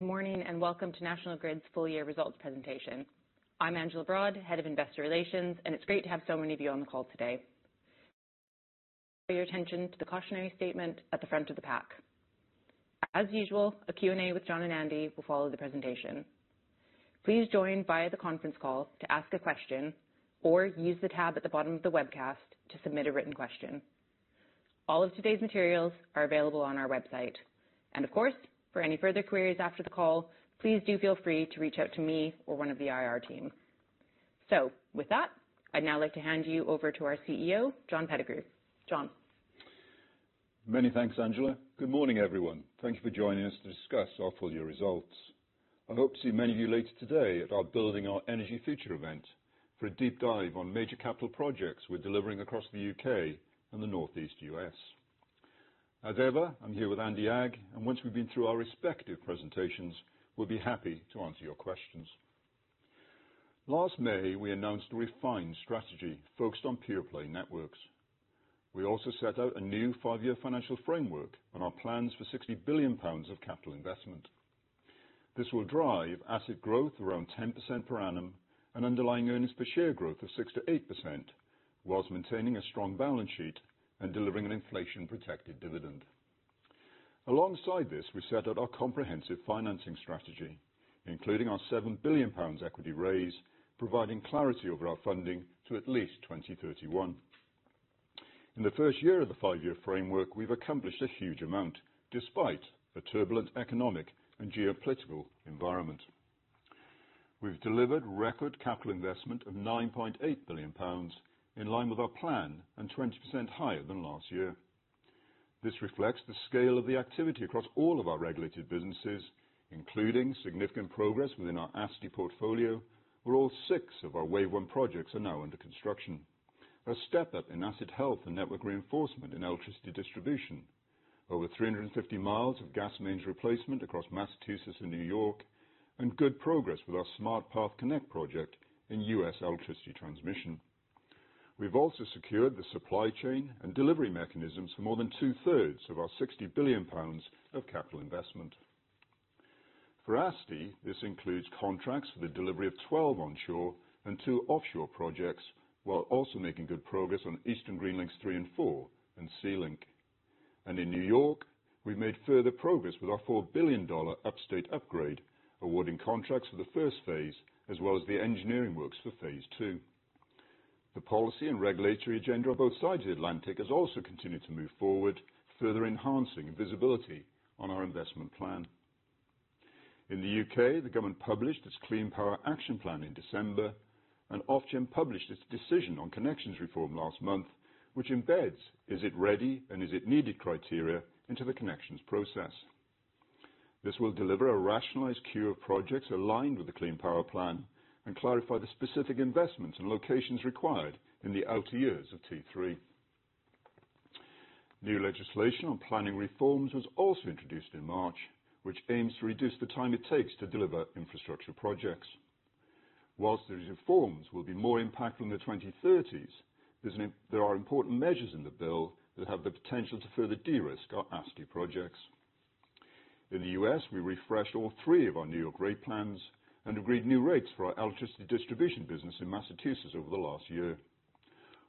Good morning and Welcome To National Grid's Full-Year Results Presentation. I'm Angela Broad, Head of Investor Relations, and it's great to have so many of you on the call today. Please pay attention to the cautionary statement at the front of the pack. As usual, a Q&A with John and Andy will follow the presentation. Please join via the conference call to ask a question or use the tab at the bottom of the webcast to submit a written question. All of today's materials are available on our website. Of course, for any further queries after the call, please do feel free to reach out to me or one of the IR team. With that, I'd now like to hand you over to our CEO, John Pettigrew. John. Many thanks, Angela. Good morning, everyone. Thank you for joining us to discuss our full-year results. I hope to see many of you later today at our Building Our Energy Future event for a deep dive on major capital projects we're delivering across the U.K. and the northeast U.S.. As ever, I'm here with Andy Agg, and once we've been through our respective presentations, we'll be happy to answer your questions. Last May, we announced a refined strategy focused on pure-play networks. We also set out a new five-year financial framework and our plans for 60 billion pounds of capital investment. This will drive asset growth around 10% per annum and underlying earnings per share growth of 6% to 8%, whilst maintaining a strong balance sheet and delivering an inflation-protected dividend. Alongside this, we set out our comprehensive financing strategy, including our 7 billion pounds equity raise, providing clarity over our funding to at least 2031. In the first year of the five-year framework, we've accomplished a huge amount despite a turbulent economic and geopolitical environment. We've delivered record capital investment of 9.8 billion pounds, in line with our plan and 20% higher than last year. This reflects the scale of the activity across all of our regulated businesses, including significant progress within our asset portfolio, where all six of our wave one projects are now under construction. A step up in asset health and network reinforcement in electricity distribution, over 350 mi of gas mains replacement across Massachusetts and New York, and good progress with our SmartPath Connect project in U.S. electricity transmission. We've also secured the supply chain and delivery mechanisms for more than two-thirds of our 60 billion pounds of capital investment. For ASTI, this includes contracts for the delivery of 12 onshore and two offshore projects, while also making good progress on Eastern Green Link 3 and 4 and SeaLink. In New York, we've made further progress with our $4 billion upstate upgrade, awarding contracts for the first phase as well as the engineering works for phase two. The policy and regulatory agenda on both sides of the Atlantic has also continued to move forward, further enhancing visibility on our investment plan. In the U.K., the government published its Clean Power Action Plan in December, and Ofgem published its decision on connections reform last month, which embeds "Is it ready?" and "Is it needed?" criteria into the connections process. This will deliver a rationalized queue of projects aligned with the Clean Power Action Plan and clarify the specific investments and locations required in the outer years of T3. New legislation on planning reforms was also introduced in March, which aims to reduce the time it takes to deliver infrastructure projects. Whilst these reforms will be more impactful in the 2030s, there are important measures in the bill that have the potential to further de-risk our ASTI projects. In the US, we refreshed all three of our New York rate plans and agreed new rates for our electricity distribution business in Massachusetts over the last year.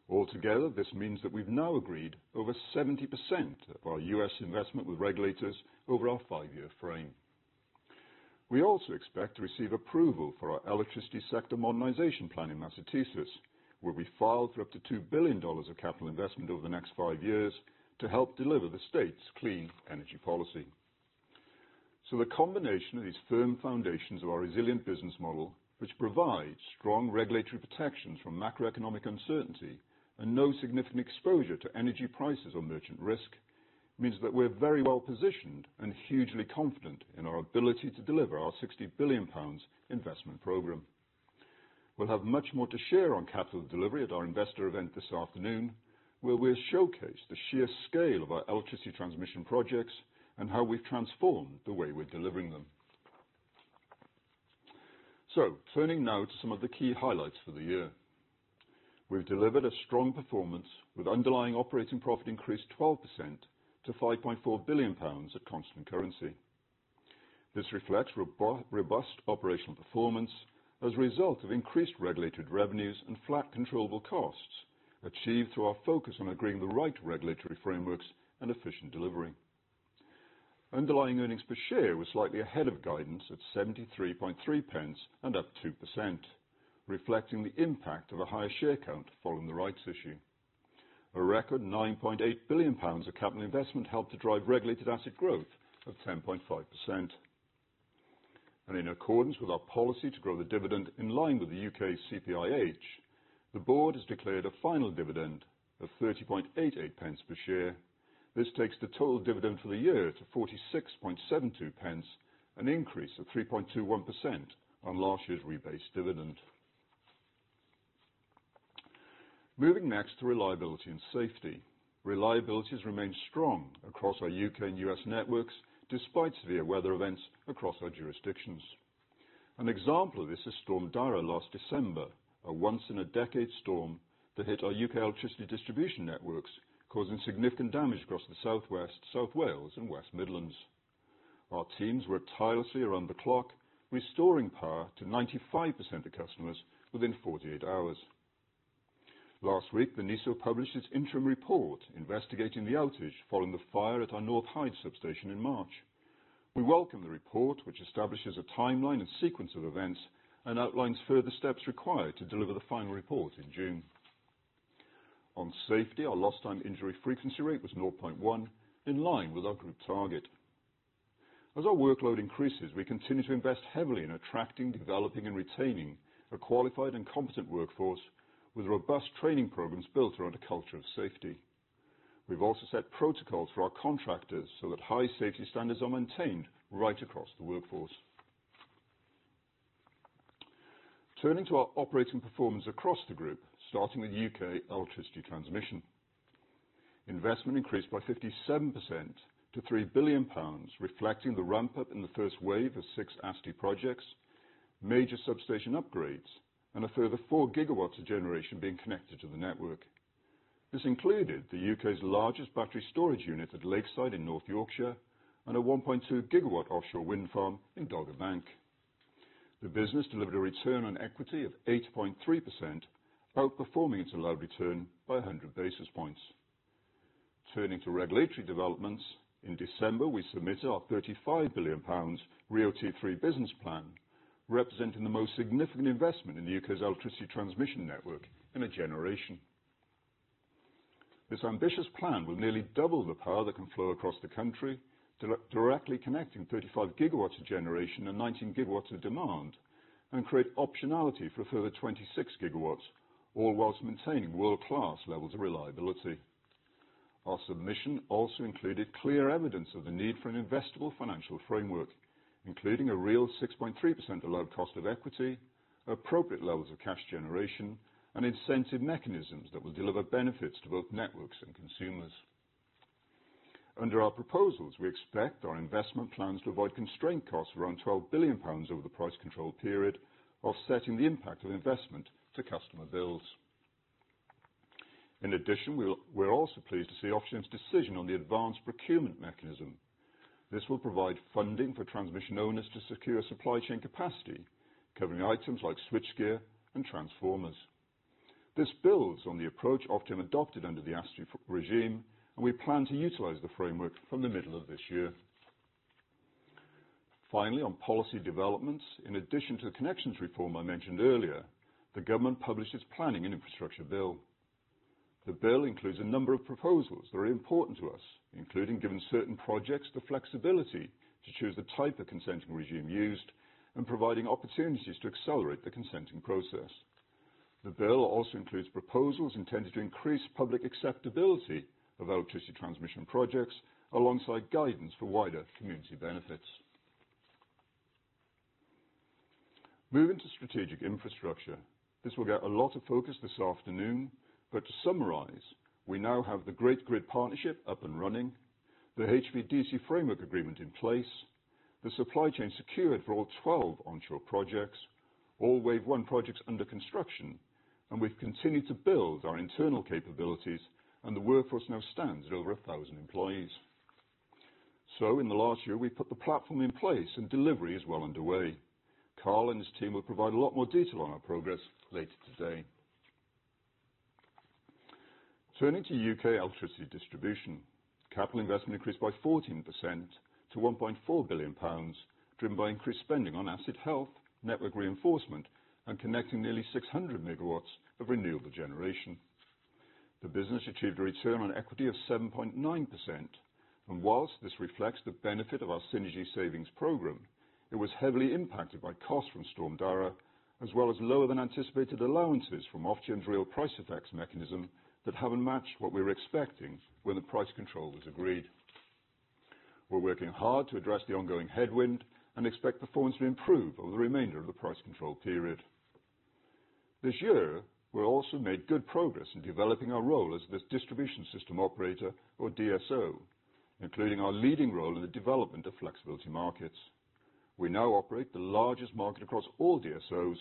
Altogether, this means that we've now agreed over 70% of our US investment with regulators over our five-year frame. We also expect to receive approval for our electricity sector modernization plan in Massachusetts, where we filed for up to $2 billion of capital investment over the next five years to help deliver the state's clean energy policy. The combination of these firm foundations of our resilient business model, which provides strong regulatory protections from macroeconomic uncertainty and no significant exposure to energy prices or merchant risk, means that we are very well positioned and hugely confident in our ability to deliver our 60 billion pounds investment program. We will have much more to share on capital delivery at our investor event this afternoon, where we will showcase the sheer scale of our electricity transmission projects and how we have transformed the way we are delivering them. Turning now to some of the key highlights for the year. we have delivered a strong performance with underlying operating profit increased 12% to 5.4 billion pounds at constant currency. This reflects robust operational performance as a result of increased regulated revenues and flat controllable costs achieved through our focus on agreeing the right regulatory frameworks and efficient delivery. Underlying earnings per share was slightly ahead of guidance at 73.3 and up 2%, reflecting the impact of a higher share count following the rights issue. A record 9.8 billion pounds of capital investment helped to drive regulated asset growth of 10.5%. In accordance with our policy to grow the dividend in line with the U.K. CPIH, the board has declared a final dividend of 30.88 per share. This takes the total dividend for the year to 46.72, an increase of 3.21% on last year's rebase dividend. Moving next to reliability and safety. Reliability has remained strong across our U.K. and U.S. networks despite severe weather events across our jurisdictions. An example of this is Storm Dara last December, a once-in-a-decade storm that hit our U.K. electricity distribution networks, causing significant damage across the Southwest, South Wales, and West Midlands. Our teams worked tirelessly around the clock, restoring power to 95% of customers within 48 hours. Last week, the NESO published its interim report investigating the outage following the fire at our North Hyde substation in March. We welcome the report, which establishes a timeline and sequence of events and outlines further steps required to deliver the final report in June. On safety, our lost time injury frequency rate was 0.1, in line with our group target. As our workload increases, we continue to invest heavily in attracting, developing, and retaining a qualified and competent workforce with robust training programs built around a culture of safety. We have also set protocols for our contractors so that high safety standards are maintained right across the workforce. Turning to our operating performance across the group, starting with U.K. electricity transmission. Investment increased by 57% to 3 billion pounds, reflecting the ramp-up in the first wave of six ASTI projects, major substation upgrades, and a further 4 GW of generation being connected to the network. This included the U.K.'s largest battery storage unit at Lakeside in North Yorkshire and a 1.2 gigawatt offshore wind farm in Dogger Bank. The business delivered a return on equity of 8.3%, outperforming its allowed return by 100 basis points. Turning to regulatory developments, in December, we submitted our 35 billion pounds RIIO-T3 business plan, representing the most significant investment in the U.K.'s electricity transmission network in a generation. This ambitious plan will nearly double the power that can flow across the country, directly connecting 35 GW of generation and 19 GW of demand, and create optionality for a further 26 GW, all whilst maintaining world-class levels of reliability. Our submission also included clear evidence of the need for an investable financial framework, including a real 6.3% allowed cost of equity, appropriate levels of cash generation, and incentive mechanisms that will deliver benefits to both networks and consumers. Under our proposals, we expect our investment plans to avoid constrained costs around 12 billion pounds over the price control period, offsetting the impact of investment to customer bills. In addition, we're also pleased to see Ofgem's decision on the advanced procurement mechanism. This will provide funding for transmission owners to secure supply chain capacity, covering items like switchgear and transformers. This builds on the approach Ofgem adopted under the ASTI regime, and we plan to utilize the framework from the middle of this year. Finally, on policy developments, in addition to the connections reform I mentioned earlier, the government published its planning and infrastructure bill. The bill includes a number of proposals that are important to us, including giving certain projects the flexibility to choose the type of consenting regime used and providing opportunities to accelerate the consenting process. The bill also includes proposals intended to increase public acceptability of electricity transmission projects alongside guidance for wider community benefits. Moving to strategic infrastructure. This will get a lot of focus this afternoon, but to summarize, we now have the Great Grid Partnership up and running, the HVDC framework agreement in place, the supply chain secured for all 12 onshore projects, all wave one projects under construction, and we have continued to build our internal capabilities, and the workforce now stands at over 1,000 employees. In the last year, we put the platform in place, and delivery is well underway. Carl and his team will provide a lot more detail on our progress later today. Turning to U.K. electricity distribution. Capital investment increased by 14% to 1.4 billion pounds, driven by increased spending on asset health, network reinforcement, and connecting nearly 600 MW of renewable generation. The business achieved a return on equity of 7.9%, and whilst this reflects the benefit of our synergy savings program, it was heavily impacted by costs from Storm Dara, as well as lower-than-anticipated allowances from Ofgem's real price effects mechanism that have not matched what we were expecting when the price control was agreed. We are working hard to address the ongoing headwind and expect performance to improve over the remainder of the price control period. This year, we have also made good progress in developing our role as the distribution system operator, or DSO, including our leading role in the development of flexibility markets. We now operate the largest market across all DSOs,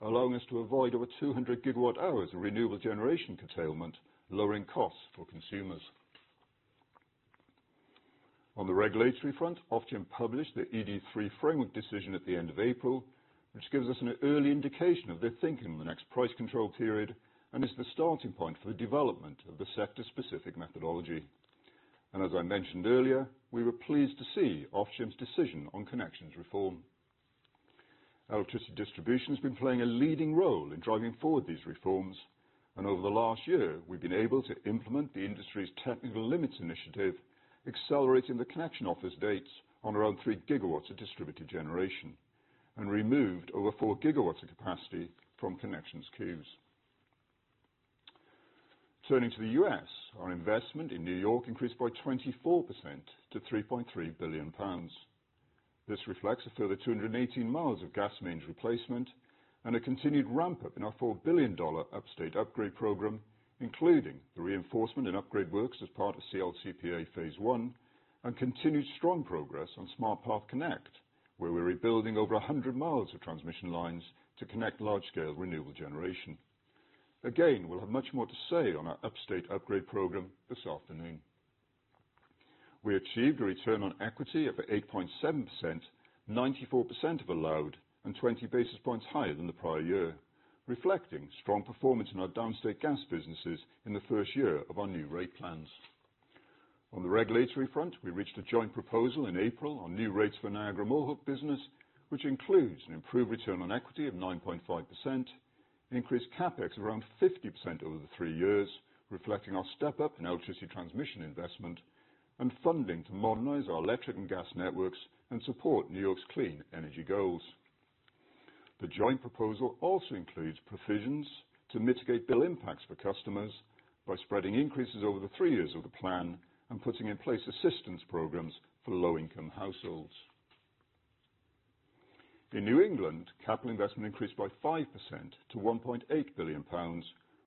allowing us to avoid over 200 GW hours of renewable generation curtailment, lowering costs for consumers. On the regulatory front, Ofgem published the ED3 framework decision at the end of April, which gives us an early indication of their thinking on the next price control period and is the starting point for the development of the sector-specific methodology. As I mentioned earlier, we were pleased to see Ofgem's decision on connections reform. Electricity distribution has been playing a leading role in driving forward these reforms, and over the last year, we've been able to implement the industry's technical limits initiative, accelerating the connection office dates on around 3 GW of distributed generation and removed over 4 GW of capacity from connections queues. Turning to the U.S., our investment in New York increased by 24% to 3.3 billion pounds. This reflects a further 218 mi of gas mains replacement and a continued ramp-up in our $4 billion upstate upgrade program, including the reinforcement and upgrade works as part of CLCPA phase one and continued strong progress on SmartPath Connect, where we're rebuilding over 100 mi of transmission lines to connect large-scale renewable generation. Again, we'll have much more to say on our upstate upgrade program this afternoon. We achieved a return on equity of 8.7% to 94% of allowed, and 20 basis points higher than the prior year, reflecting strong performance in our downstate gas businesses in the first year of our new rate plans. On the regulatory front, we reached a joint proposal in April on new rates for Niagara Mohawk business, which includes an improved return on equity of 9.5%, increased CapEx of around 50% over the three years, reflecting our step-up in electricity transmission investment and funding to modernize our electric and gas networks and support New York's clean energy goals. The joint proposal also includes provisions to mitigate bill impacts for customers by spreading increases over the three years of the plan and putting in place assistance programs for low-income households. In New England, capital investment increased by 5% to 1.8 billion pounds,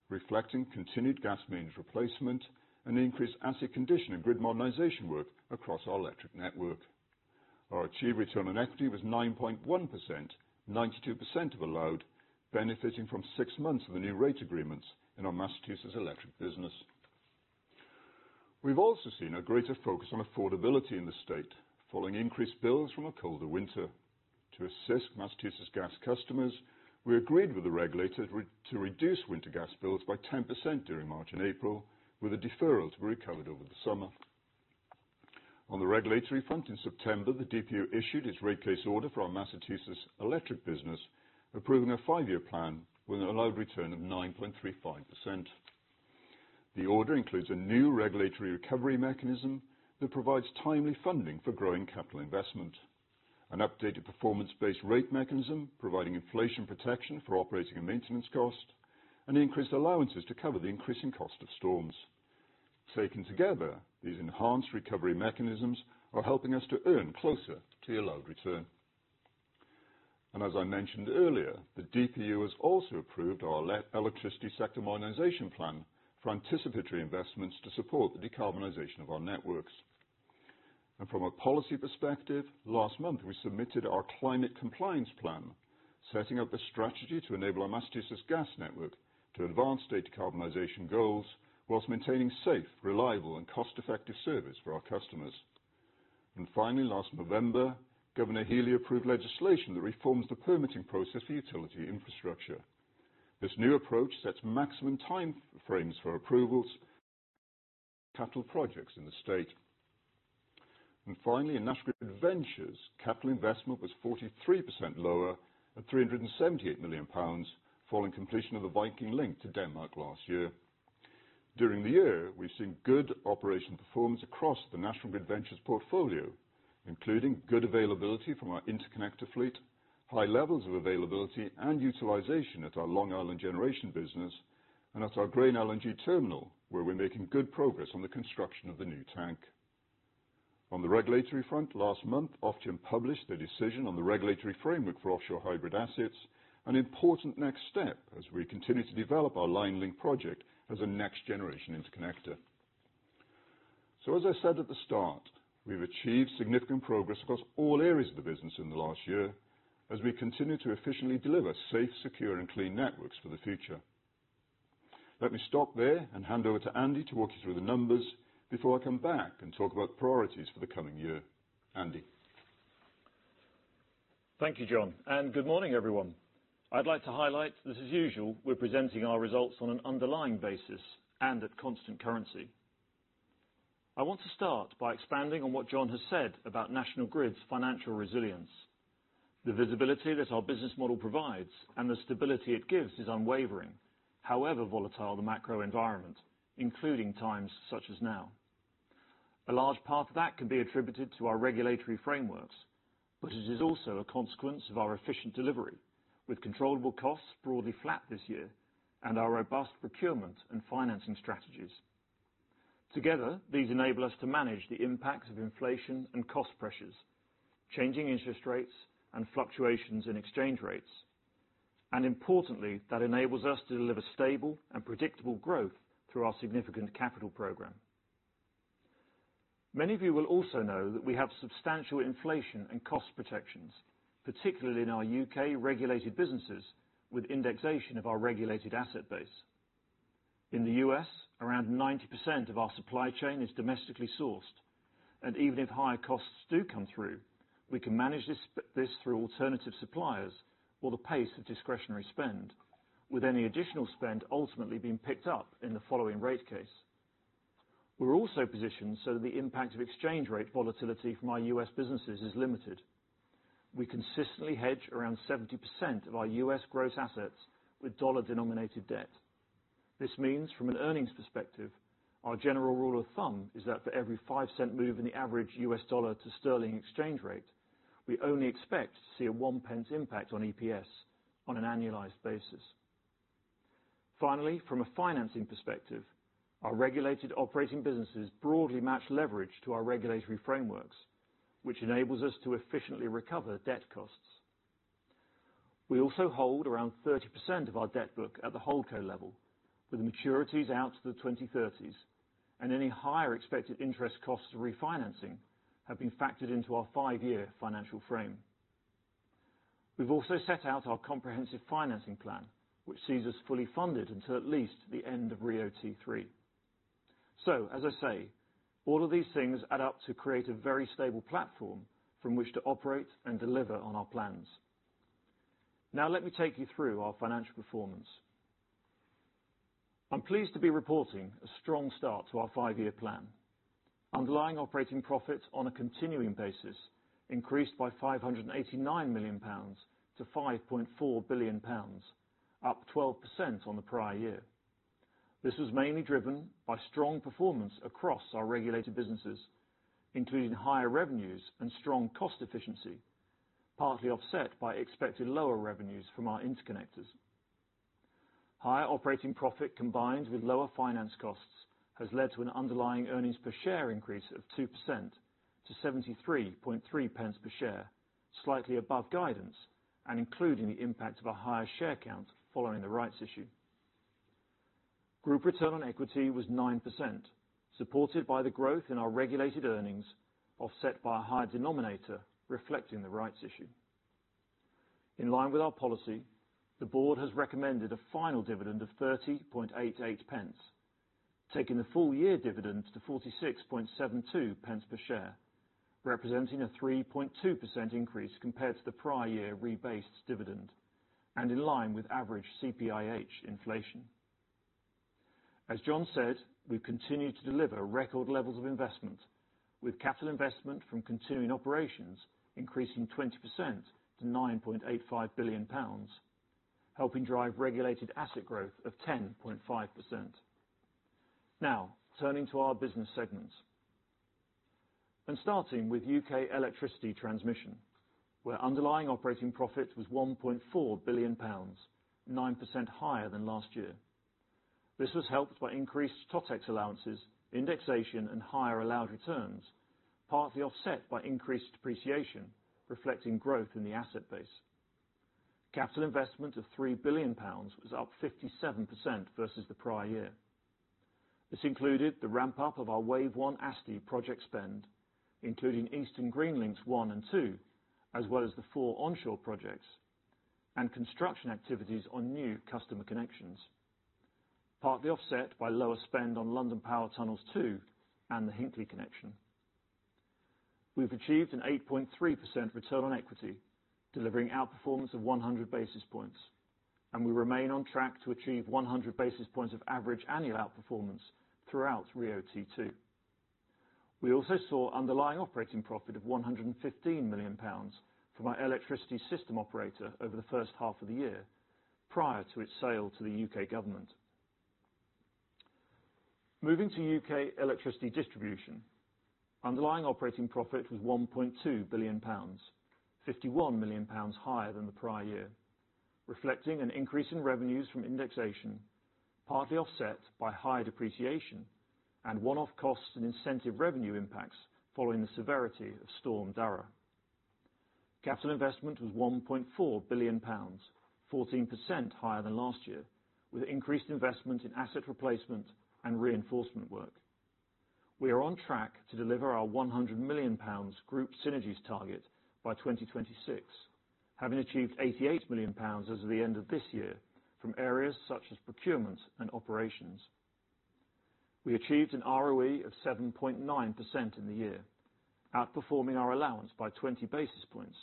reflecting continued gas mains replacement and increased asset condition and grid modernization work across our electric network. Our achieved return on equity was 9.1% to 92% of allowed, benefiting from six months of the new rate agreements in our Massachusetts electric business. We've also seen a greater focus on affordability in the state, following increased bills from a colder winter. To assist Massachusetts gas customers, we agreed with the regulator to reduce winter gas bills by 10% during March and April, with a deferral to be recovered over the summer. On the regulatory front, in September, the DPU issued its rate case order for our Massachusetts electric business, approving a five-year plan with an allowed return of 9.35%. The order includes a new regulatory recovery mechanism that provides timely funding for growing capital investment, an updated performance-based rate mechanism providing inflation protection for operating and maintenance costs, and increased allowances to cover the increasing cost of storms. Taken together, these enhanced recovery mechanisms are helping us to earn closer to the allowed return. As I mentioned earlier, the DPU has also approved our electricity sector modernization plan for anticipatory investments to support the decarbonization of our networks. From a policy perspective, last month, we submitted our climate compliance plan, setting up a strategy to enable our Massachusetts gas network to advance state decarbonization goals whilst maintaining safe, reliable, and cost-effective service for our customers. Finally, last November, Governor Maura Healey approved legislation that reforms the permitting process for utility infrastructure. This new approach sets maximum time frames for approvals for capital projects in the state. Finally, in National Grid Ventures, capital investment was 43% lower at 378 million pounds, following completion of the Viking Link to Denmark last year. During the year, we've seen good operational performance across the National Grid Ventures portfolio, including good availability from our interconnector fleet, high levels of availability and utilization at our Long Island generation business, and at our Grain LNG terminal, where we're making good progress on the construction of the new tank. On the regulatory front, last month, Ofgem published their decision on the regulatory framework for offshore hybrid assets, an important next step as we continue to develop our Line Link project as a next-generation interconnector. As I said at the start, we've achieved significant progress across all areas of the business in the last year as we continue to efficiently deliver safe, secure, and clean networks for the future. Let me stop there and hand over to Andy to walk you through the numbers before I come back and talk about priorities for the coming year. Andy. Thank you, John. Good morning, everyone. I'd like to highlight that, as usual, we're presenting our results on an underlying basis and at constant currency. I want to start by expanding on what John has said about National Grid's financial resilience. The visibility that our business model provides and the stability it gives is unwavering, however volatile the macro environment, including times such as now. A large part of that can be attributed to our regulatory frameworks, but it is also a consequence of our efficient delivery, with controllable costs broadly flat this year and our robust procurement and financing strategies. Together, these enable us to manage the impacts of inflation and cost pressures, changing interest rates and fluctuations in exchange rates, and importantly, that enables us to deliver stable and predictable growth through our significant capital program. Many of you will also know that we have substantial inflation and cost protections, particularly in our U.K. regulated businesses with indexation of our regulated asset base. In the U.S., around 90% of our supply chain is domestically sourced, and even if higher costs do come through, we can manage this through alternative suppliers or the pace of discretionary spend, with any additional spend ultimately being picked up in the following rate case. We are also positioned so that the impact of exchange rate volatility from our U.S. businesses is limited. We consistently hedge around 70% of our U.S. gross assets with dollar-denominated debt. This means, from an earnings perspective, our general rule of thumb is that for every $0.05 move in the average U.S. dollar to sterling exchange rate, we only expect to see a £0.01 impact on EPS on an annualized basis. Finally, from a financing perspective, our regulated operating businesses broadly match leverage to our regulatory frameworks, which enables us to efficiently recover debt costs. We also hold around 30% of our debt book at the whole code level, with maturities out to the 2030s, and any higher expected interest costs refinancing have been factored into our five-year financial frame. We have also set out our comprehensive financing plan, which sees us fully funded until at least the end of RIIO-T3. As I say, all of these things add up to create a very stable platform from which to operate and deliver on our plans. Now, let me take you through our financial performance. I'm pleased to be reporting a strong start to our five-year plan. Underlying Operating Profits on a continuing basis increased by 589 million pounds to 5.4 billion pounds, up 12% on the prior year. This was mainly driven by strong performance across our regulated businesses, including higher revenues and strong cost efficiency, partly offset by expected lower revenues from our interconnectors. Higher operating profit combined with lower finance costs has led to an underlying earnings per share increase of 2% to 0.733 per share, slightly above guidance and including the impact of a higher share count following the rights issue. Group return on equity was 9%, supported by the growth in our regulated earnings offset by a high denominator reflecting the rights issue. In line with our policy, the board has recommended a final dividend of 0.3088, taking the full-year dividend to 0.4672 per share, representing a 3.2% increase compared to the prior year rebase dividend and in line with average CPIH inflation. As John said, we have continued to deliver record levels of investment, with capital investment from continuing operations increasing 20% to 9.85 billion pounds, helping drive regulated asset growth of 10.5%. Now, turning to our business segments. Starting with U.K. electricity transmission, where underlying Operating Profit was 1.4 billion pounds, 9% higher than last year. This was helped by increased totex allowances, indexation, and higher allowed returns, partly offset by increased depreciation reflecting growth in the asset base. Capital investment of 3 billion pounds was up 57% versus the prior year. This included the ramp-up of our wave one ASTI project spend, including Eastern Green Link 1 and 2, as well as the four onshore projects and construction activities on new customer connections, partly offset by lower spend on London Power Tunnels 2 and the Hinkley connection. We've achieved an 8.3% return on equity, delivering outperformance of 100 basis points, and we remain on track to achieve 100 basis points of average annual outperformance throughout RIIO-T2. We also saw underlying operating profit of 115 million pounds from our electricity system operator over the first half of the year prior to its sale to the U.K. government. Moving to U.K. electricity distribution, underlying Operating Profit was 1.2 billion pounds to 51 million pounds higher than the prior year, reflecting an increase in revenues from indexation, partly offset by high depreciation and one-off costs and incentive revenue impacts following the severity of Storm Dara. Capital investment was 1.4 billion pounds, 14% higher than last year, with increased investment in asset replacement and reinforcement work. We are on track to deliver our 100 million pounds group synergies target by 2026, having achieved 88 million pounds as of the end of this year from areas such as procurement and operations. We achieved an ROE of 7.9% in the year, outperforming our allowance by 20 basis points,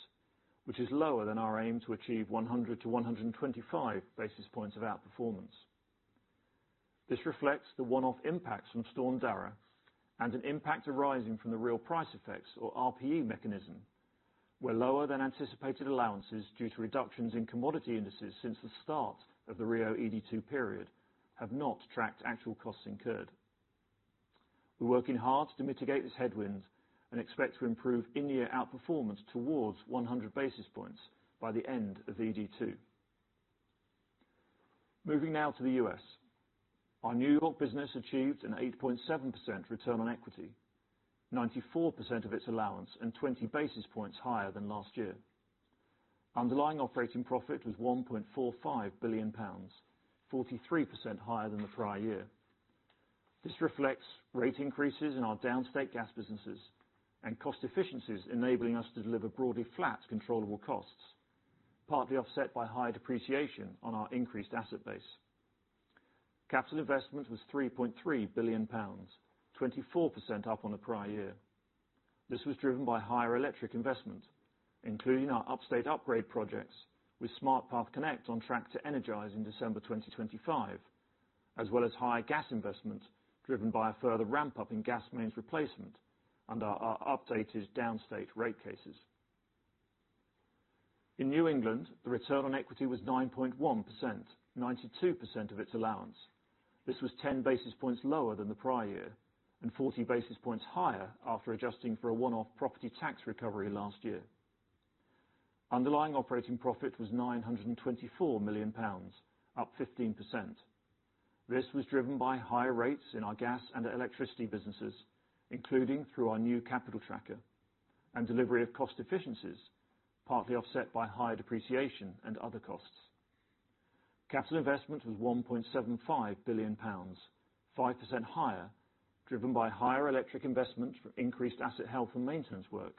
which is lower than our aim to achieve 100-125 basis points of outperformance. This reflects the one-off impacts from Storm Dara and an impact arising from the real price effects, or RPE mechanism, where lower than anticipated allowances due to reductions in commodity indices since the start of the RIIO-ED2 period have not tracked actual costs incurred. We are working hard to mitigate this headwind and expect to improve in-year outperformance towards 100 basis points by the end of ED2. Moving now to the U.S., our New York business achieved an 8.7% return on equity, 94% of its allowance, and 20 basis points higher than last year. Underlying operating profit was 1.45 billion pounds, 43% higher than the prior year. This reflects rate increases in our downstate gas businesses and cost efficiencies, enabling us to deliver broadly flat controllable costs, partly offset by high depreciation on our increased asset base. Capital investment was 3.3 billion pounds, 24% up on the prior year. This was driven by higher electric investment, including our Upstate Upgrade projects with SmartPath Connect on track to energize in December 2025, as well as high gas investment driven by a further ramp-up in gas mains replacement and our updated downstate rate cases. In New England, the return on equity was 9.1%, 92% of its allowance. This was 10 basis points lower than the prior year and 40 basis points higher after adjusting for a one-off property tax recovery last year. Underlying Operating profit was 924 million pounds, up 15%. This was driven by higher rates in our gas and electricity businesses, including through our new capital tracker and delivery of cost efficiencies, partly offset by high depreciation and other costs. Capital investment was 1.75 billion pounds, 5% higher, driven by higher electric investment for increased asset health and maintenance work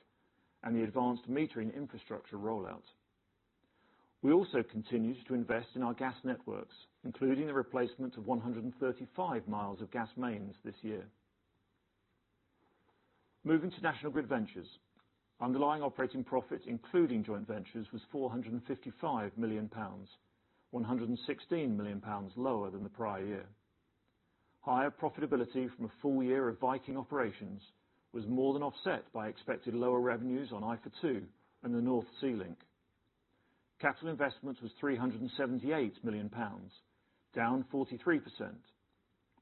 and the advanced metering infrastructure rollout. We also continued to invest in our gas networks, including the replacement of 135 mi of gas mains this year. Moving to National Grid Ventures, underlying Operating profit, including joint ventures, was 455 million pounds, 116 million lower than the prior year. Higher profitability from a full year of Viking operations was more than offset by expected lower revenues on IFA II and the North Sea Link. Capital investment was 378 million pounds, down 43%,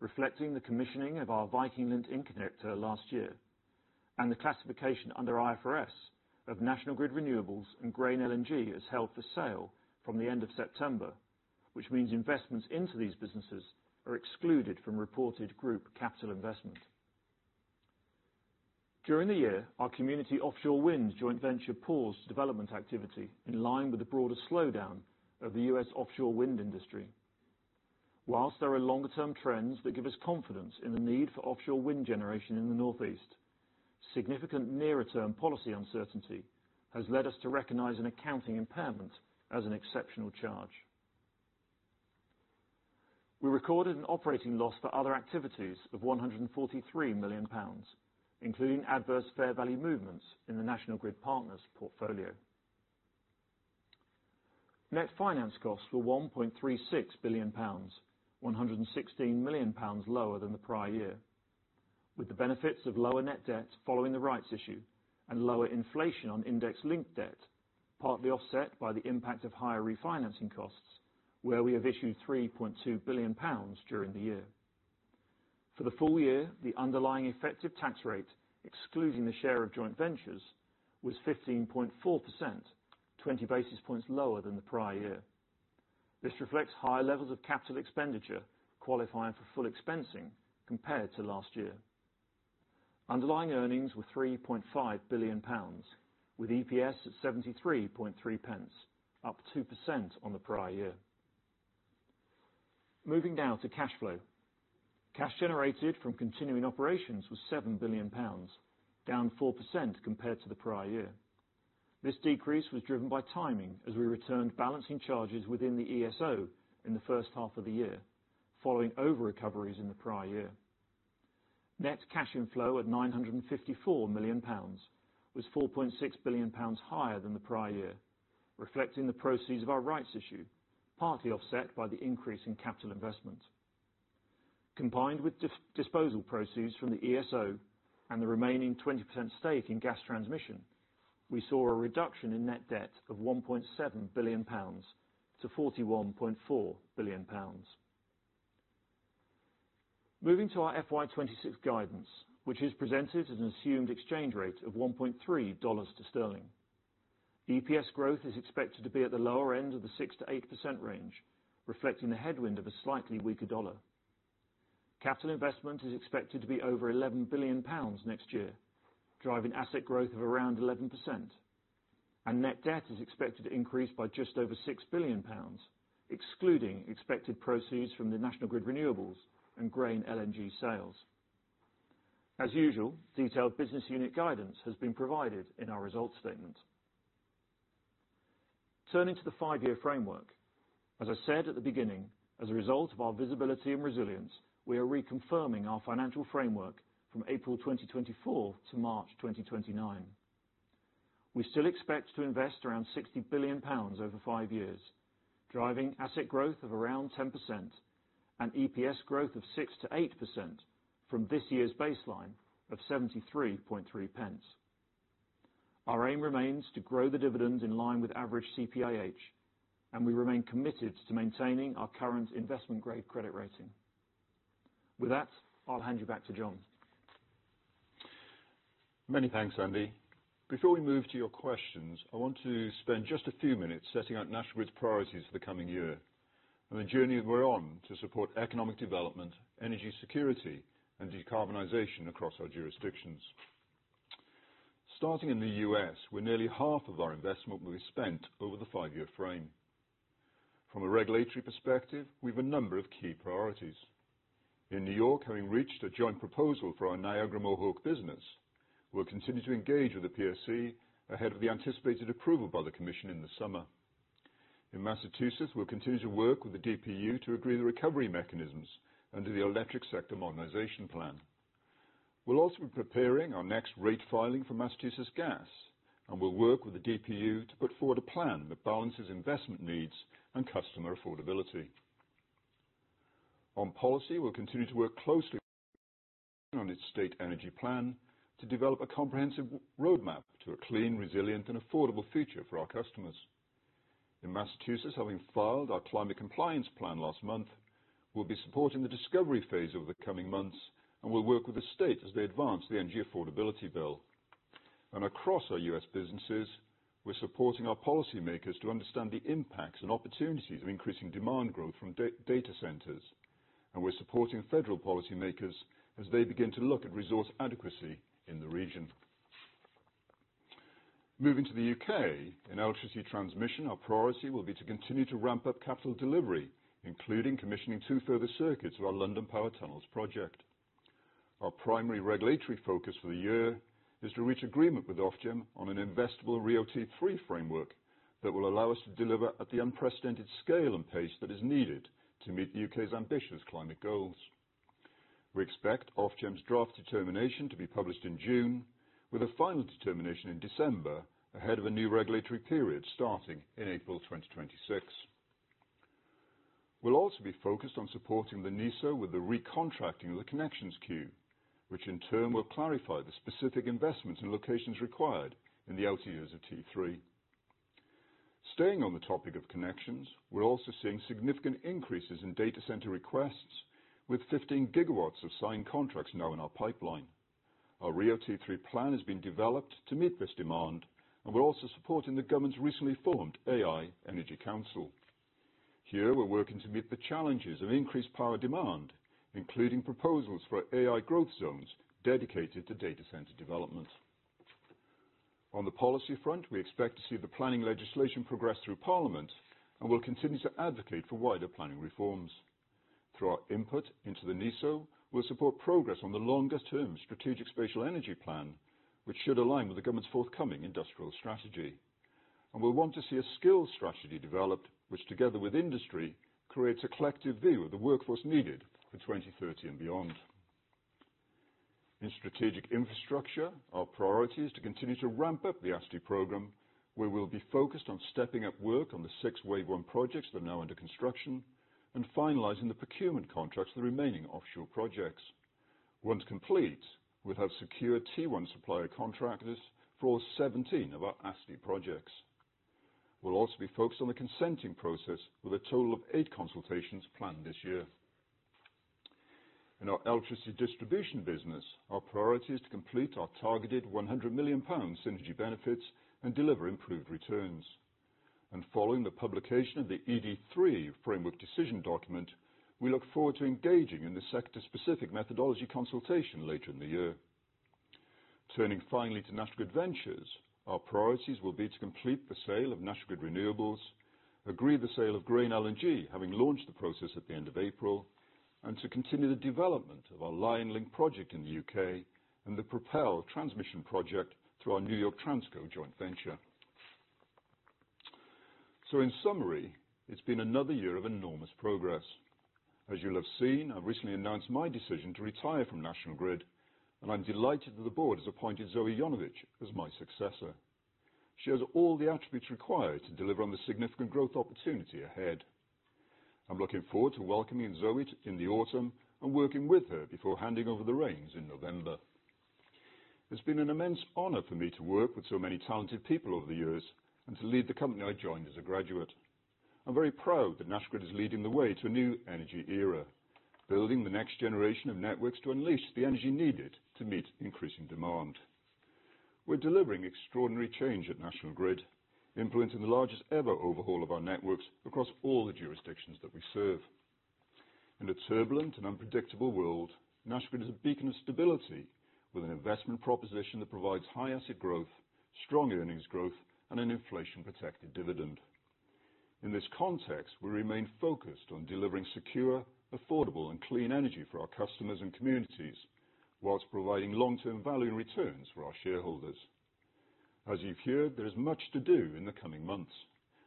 reflecting the commissioning of our Viking Link interconnector last year and the classification under IFRS of National Grid Renewables and Grain LNG as held for sale from the end of September, which means investments into these businesses are excluded from reported group capital investment. During the year, our community offshore wind joint venture paused development activity in line with the broader slowdown of the U.S. offshore wind industry. Whilst there are longer-term trends that give us confidence in the need for offshore wind generation in the Northeast, significant nearer-term policy uncertainty has led us to recognize an accounting impairment as an exceptional charge. We recorded an Operating loss for other activities of 143 million pounds, including adverse fair value movements in the National Grid Partners portfolio. Net finance costs were 1.36 billion pounds, 116 million pounds lower than the prior year, with the benefits of lower net debt following the rights issue and lower inflation on index-linked debt, partly offset by the impact of higher refinancing costs, where we have issued 3.2 billion pounds during the year. For the full year, the underlying effective tax rate, excluding the share of joint ventures, was 15.4%, 20 basis points lower than the prior year. This reflects higher levels of capital expenditure qualifying for full expensing compared to last year. Underlying earnings were 3.5 billion pounds, with EPS at 73.3, up 2% on the prior year. Moving now to Cash flow. Cash generated from continuing operations was 7 billion pounds, down 4% compared to the prior year. This decrease was driven by timing as we returned balancing charges within the ESO in the first half of the year, following over-recoveries in the prior year. Net cash inflow at 954 million pounds was 4.6 billion pounds higher than the prior year, reflecting the proceeds of our rights issue, partly offset by the increase in capital investment. Combined with disposal proceeds from the ESO and the remaining 20% stake in gas transmission, we saw a reduction in net debt of 1.7 billion pounds to 41.4 billion pounds. Moving to our FY2026 guidance, which is presented at an assumed exchange rate of $1.3 to sterling. EPS growth is expected to be at the lower end of the 6-8% range, reflecting the headwind of a slightly weaker dollar. Capital investment is expected to be over 11 billion pounds next year, driving asset growth of around 11%. Net debt is expected to increase by just over 6 billion pounds, excluding expected proceeds from the National Grid Renewables and Grain LNG sales. As usual, detailed business unit guidance has been provided in our results statement. Turning to the five-year framework, as I said at the beginning, as a result of our visibility and resilience, we are reconfirming our financial framework from April 2024 to March 2029. We still expect to invest around 60 billion pounds over five years, driving asset growth of around 10% and EPS growth of 6% to 8% from this year's baseline of 73.3. Our aim remains to grow the dividend in line with average CPIH, and we remain committed to maintaining our current investment-grade credit rating. With that, I'll hand you back to John. Many thanks, Andy. Before we move to your questions, I want to spend just a few minutes setting out National Grid's priorities for the coming year and the journey we're on to support economic development, energy security, and decarbonisation across our jurisdictions. Starting in the U.S., where nearly half of our investment will be spent over the five-year frame. From a regulatory perspective, we have a number of key priorities. In New York, having reached a joint proposal for our Niagara Mohawk business, we'll continue to engage with the PSC ahead of the anticipated approval by the Commission in the summer. In Massachusetts, we'll continue to work with the DPU to agree the recovery mechanisms under the Electric Sector Modernisation Plan. We'll also be preparing our next rate filing for Massachusetts Gas, and we'll work with the DPU to put forward a plan that balances investment needs and customer affordability. On policy, we'll continue to work closely on its state energy plan to develop a comprehensive roadmap to a clean, resilient, and affordable future for our customers. In Massachusetts, having filed our Climate Compliance Plan last month, we'll be supporting the discovery phase over the coming months and will work with the states as they advance the energy affordability bill. Across our U.S. businesses, we're supporting our policymakers to understand the impacts and opportunities of increasing demand growth from data centers, and we're supporting federal policymakers as they begin to look at resource adequacy in the region. Moving to the U.K., in electricity transmission, our priority will be to continue to ramp up capital delivery, including commissioning two further circuits of our London Power Tunnels project. Our primary regulatory focus for the year is to reach agreement with Ofgem on an investable RIIO-T3 framework that will allow us to deliver at the unprecedented scale and pace that is needed to meet the U.K.'s ambitious climate goals. We expect Ofgem's draft determination to be published in June, with a final determination in December ahead of a new regulatory period starting in April 2026. We'll also be focused on supporting the NESO with the recontracting of the connections queue, which in turn will clarify the specific investments and locations required in the outer years of T3. Staying on the topic of connections, we're also seeing significant increases in data centre requests with 15 GW of signed contracts now in our pipeline. Our RIIO-T3 plan has been developed to meet this demand and we're also supporting the government's recently formed AI Energy Council. Here, we're working to meet the challenges of increased power demand, including proposals for AI growth zones dedicated to data centre development. On the policy front, we expect to see the planning legislation progress through Parliament and will continue to advocate for wider planning reforms. Through our input into the NISA, we'll support progress on the longer-term Strategic Spatial Energy Plan, which should align with the government's forthcoming industrial strategy. We want to see a skills strategy developed, which together with industry creates a collective view of the workforce needed for 2030 and beyond. In strategic infrastructure, our priority is to continue to ramp up the ASTI program, where we'll be focused on stepping up work on the six Wave One projects that are now under construction and finalizing the procurement contracts for the remaining offshore projects. Once complete, we will have secured T1 supplier contractors for all 17 of our ASTI projects. We will also be focused on the consenting process with a total of eight consultations planned this year. In our electricity distribution business, our priority is to complete our targeted 100 million pound synergy benefits and deliver improved returns. Following the publication of the ED3 framework decision document, we look forward to engaging in the sector-specific methodology consultation later in the year. Turning finally to National Grid Ventures, our priorities will be to complete the sale of National Grid Renewables, agree the sale of Grain LNG, having launched the process at the end of April, and to continue the development of our Lion Link project in the U.K. and the Propel transmission project through our New York Transco joint venture. In summary, it has been another year of enormous progress. As you'll have seen, I've recently announced my decision to retire from National Grid, and I'm delighted that the board has appointed Zoe Yonovich as my successor. She has all the attributes required to deliver on the significant growth opportunity ahead. I'm looking forward to welcoming Zoe in the autumn and working with her before handing over the reins in November. It's been an immense honor for me to work with so many talented people over the years and to lead the company I joined as a graduate. I'm very proud that National Grid is leading the way to a new energy era, building the next generation of networks to unleash the energy needed to meet increasing demand. We're delivering extraordinary change at National Grid, implementing the largest ever overhaul of our networks across all the jurisdictions that we serve. In a turbulent and unpredictable world, National Grid is a beacon of stability with an investment proposition that provides high asset growth, strong earnings growth, and an inflation-protected dividend. In this context, we remain focused on delivering secure, affordable, and clean energy for our customers and communities whilst providing long-term value and returns for our shareholders. As you've heard, there is much to do in the coming months,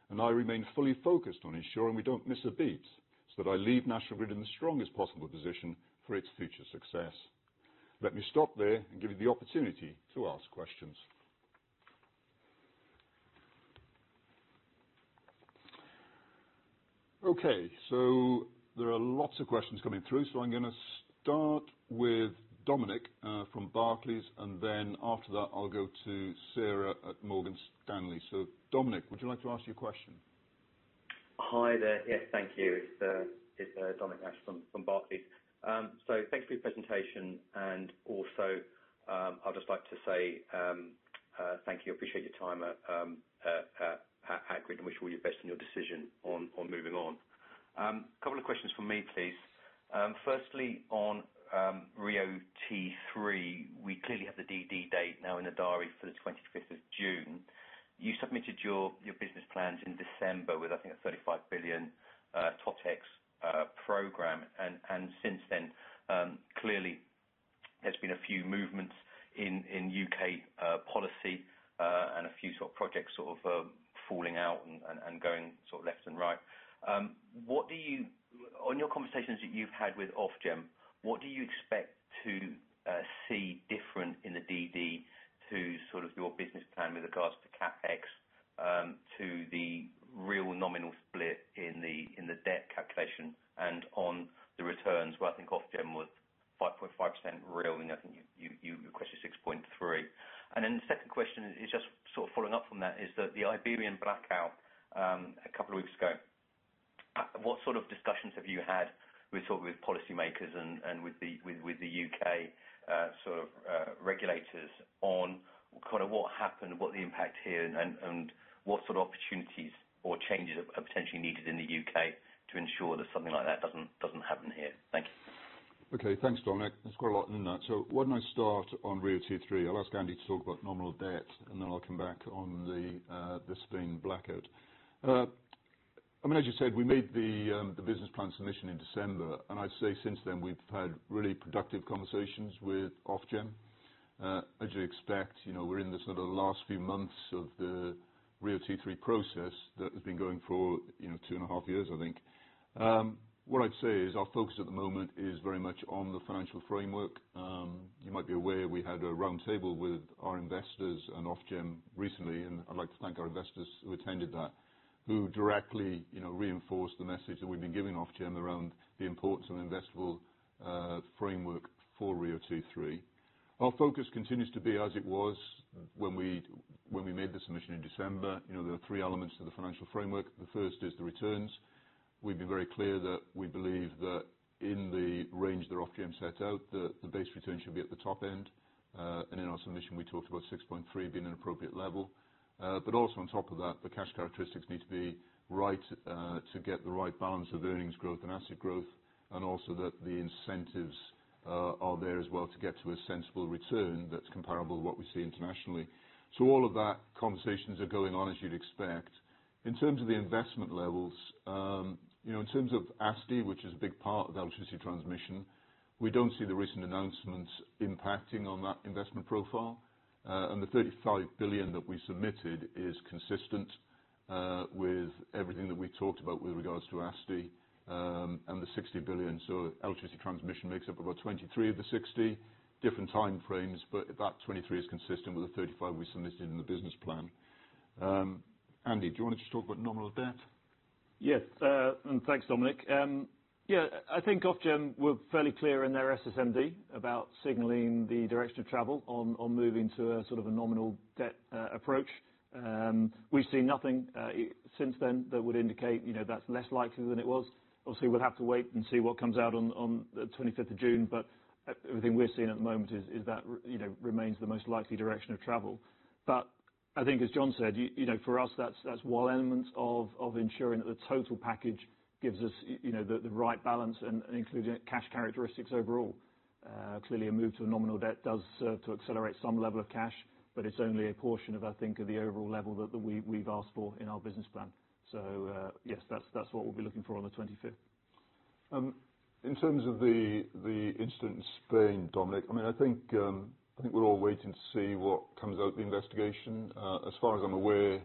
and I remain fully focused on ensuring we don't miss a beat so that I leave National Grid in the strongest possible position for its future success. Let me stop there and give you the opportunity to ask questions. Okay, there are lots of questions coming through, so I'm going to start with Dominic from Barclays, and then after that, I'll go to Sarah at Morgan Stanley. Dominic, would you like to ask your question? Hi there. Yes, thank you.It's Dominic Nash from Barclays. Thanks for your presentation, and also I'd just like to say thank you, appreciate your time at Grid, and wish all you the best in your decision on moving on. A couple of questions from me, please. Firstly, on RIIO-T3, we clearly have the DD date now in the diary for the 25th of June. You submitted your business plans in December with, I think, a 35 billion top tax program, and since then, clearly, there's been a few movements in U.K. policy and a few sort of projects sort of falling out and going sort of left and right. On your conversations that you've had with Ofgem, what do you expect to see different in the DD to sort of your business plan with regards to CapEx to the real nominal split in the debt calculation and on the returns? I think Ofgem was 5.5% real, and I think you requested 6.3%. The second question is just sort of following up from that. Is that the Iberian blackout a couple of weeks ago, what sort of discussions have you had with policymakers and with the U.K. sort of regulators on kind of what happened, what the impact here, and what sort of opportunities or changes are potentially needed in the U.K. to ensure that something like that does not happen here? Thank you. Okay, thanks, Dominic. There is quite a lot in that. Why do I not start on RIIO-T3? I will ask Andy to talk about nominal debt, and then I will come back on the Spain blackout. I mean, as you said, we made the business plan submission in December, and I would say since then we have had really productive conversations with Ofgem. As you expect, we're in the sort of last few months of the RIIO-T3 process that has been going for two and a half years, I think. What I'd say is our focus at the moment is very much on the financial framework. You might be aware we had a roundtable with our investors and Ofgem recently, and I'd like to thank our investors who attended that, who directly reinforced the message that we've been giving Ofgem around the importance of an investable framework for RIIO-T3. Our focus continues to be as it was when we made the submission in December. There are three elements to the financial framework. The first is the returns. We've been very clear that we believe that in the range that Ofgem set out, the base return should be at the top end. In our submission, we talked about 6.3 being an appropriate level. Also, on top of that, the cash characteristics need to be right to get the right balance of earnings growth and asset growth, and also that the incentives are there as well to get to a sensible return that is comparable to what we see internationally. All of those conversations are going on, as you would expect. In terms of the investment levels, in terms of ASTI, which is a big part of the electricity transmission, we do not see the recent announcements impacting that investment profile. The 35 billion that we submitted is consistent with everything that we talked about with regards to ASTI and the 60 billion. Electricity transmission makes up about 23 of the 60 in different time frames, but that 23 is consistent with the 35 we submitted in the business plan. Andy, do you want to just talk about nominal debt? Yes, and thanks, Dominic. Yeah, I think Ofgem were fairly clear in their SSMD about signalling the direction of travel on moving to a sort of a nominal debt approach. We've seen nothing since then that would indicate that's less likely than it was. Obviously, we'll have to wait and see what comes out on the 25th of June, but everything we're seeing at the moment is that remains the most likely direction of travel. I think, as John said, for us, that's one element of ensuring that the total package gives us the right balance and including cash characteristics overall. Clearly, a move to a nominal debt does serve to accelerate some level of cash, but it's only a portion of, I think, of the overall level that we've asked for in our business plan. Yes, that's what we'll be looking for on the 25th. In terms of the incident in Spain, Dominic, I mean, I think we're all waiting to see what comes out of the investigation. As far as I'm aware,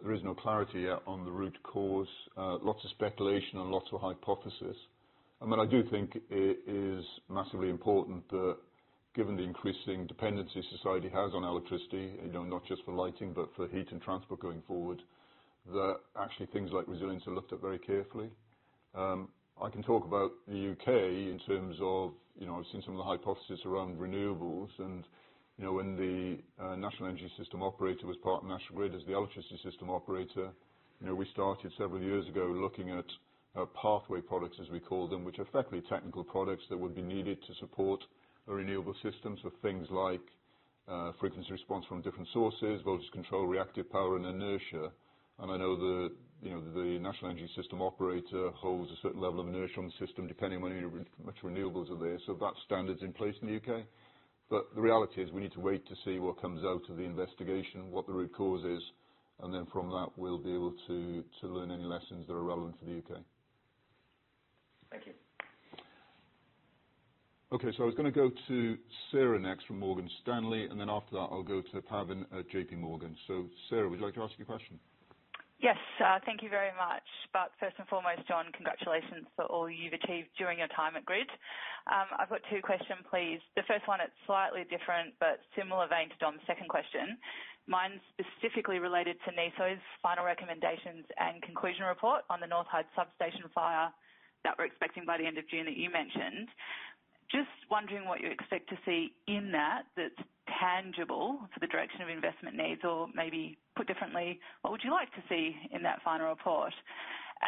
there is no clarity yet on the root cause. Lots of speculation and lots of hypotheses. I mean, I do think it is massively important that given the increasing dependency society has on electricity, not just for lighting, but for heat and transport going forward, that actually things like resilience are looked at very carefully. I can talk about the U.K. in terms of I've seen some of the hypotheses around renewables. When the National Energy System Operator was part of National Grid as the electricity system operator, we started several years ago looking at pathway products, as we call them, which are effectively technical products that would be needed to support a renewable system for things like frequency response from different sources, voltage control, reactive power, and inertia. I know the National Energy System Operator holds a certain level of inertia on the system depending on how many renewables are there. That standard is in place in the U.K. The reality is we need to wait to see what comes out of the investigation, what the root cause is, and then from that, we will be able to learn any lessons that are relevant for the U.K. Okay, so I was going to go to Sarah next from Morgan Stanley, and then after that, I'll go to Pavan at JP Morgan. Sarah, would you like to ask your question? Yes, thank you very much. First and foremost, John, congratulations for all you've achieved during your time at Grid. I've got two questions, please. The first one, it's slightly different, but similar vein to John's second question. Mine's specifically related to NESO's final recommendations and conclusion report on the North Hyde substation fire that we're expecting by the end of June that you mentioned. Just wondering what you expect to see in that that's tangible for the direction of investment needs or maybe put differently, what would you like to see in that final report?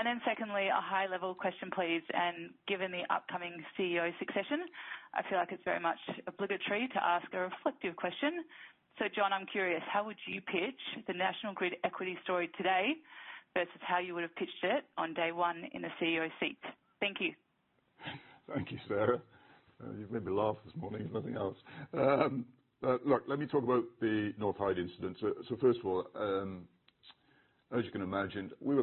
Then secondly, a high-level question, please. Given the upcoming CEO succession, I feel like it's very much obligatory to ask a reflective question. John, I'm curious, how would you pitch the National Grid equity story today versus how you would have pitched it on day one in a CEO seat? Thank you. Thank you, Sarah. You've made me laugh this morning, if nothing else. Look, let me talk about the North Hyde incident. First of all, as you can imagine, we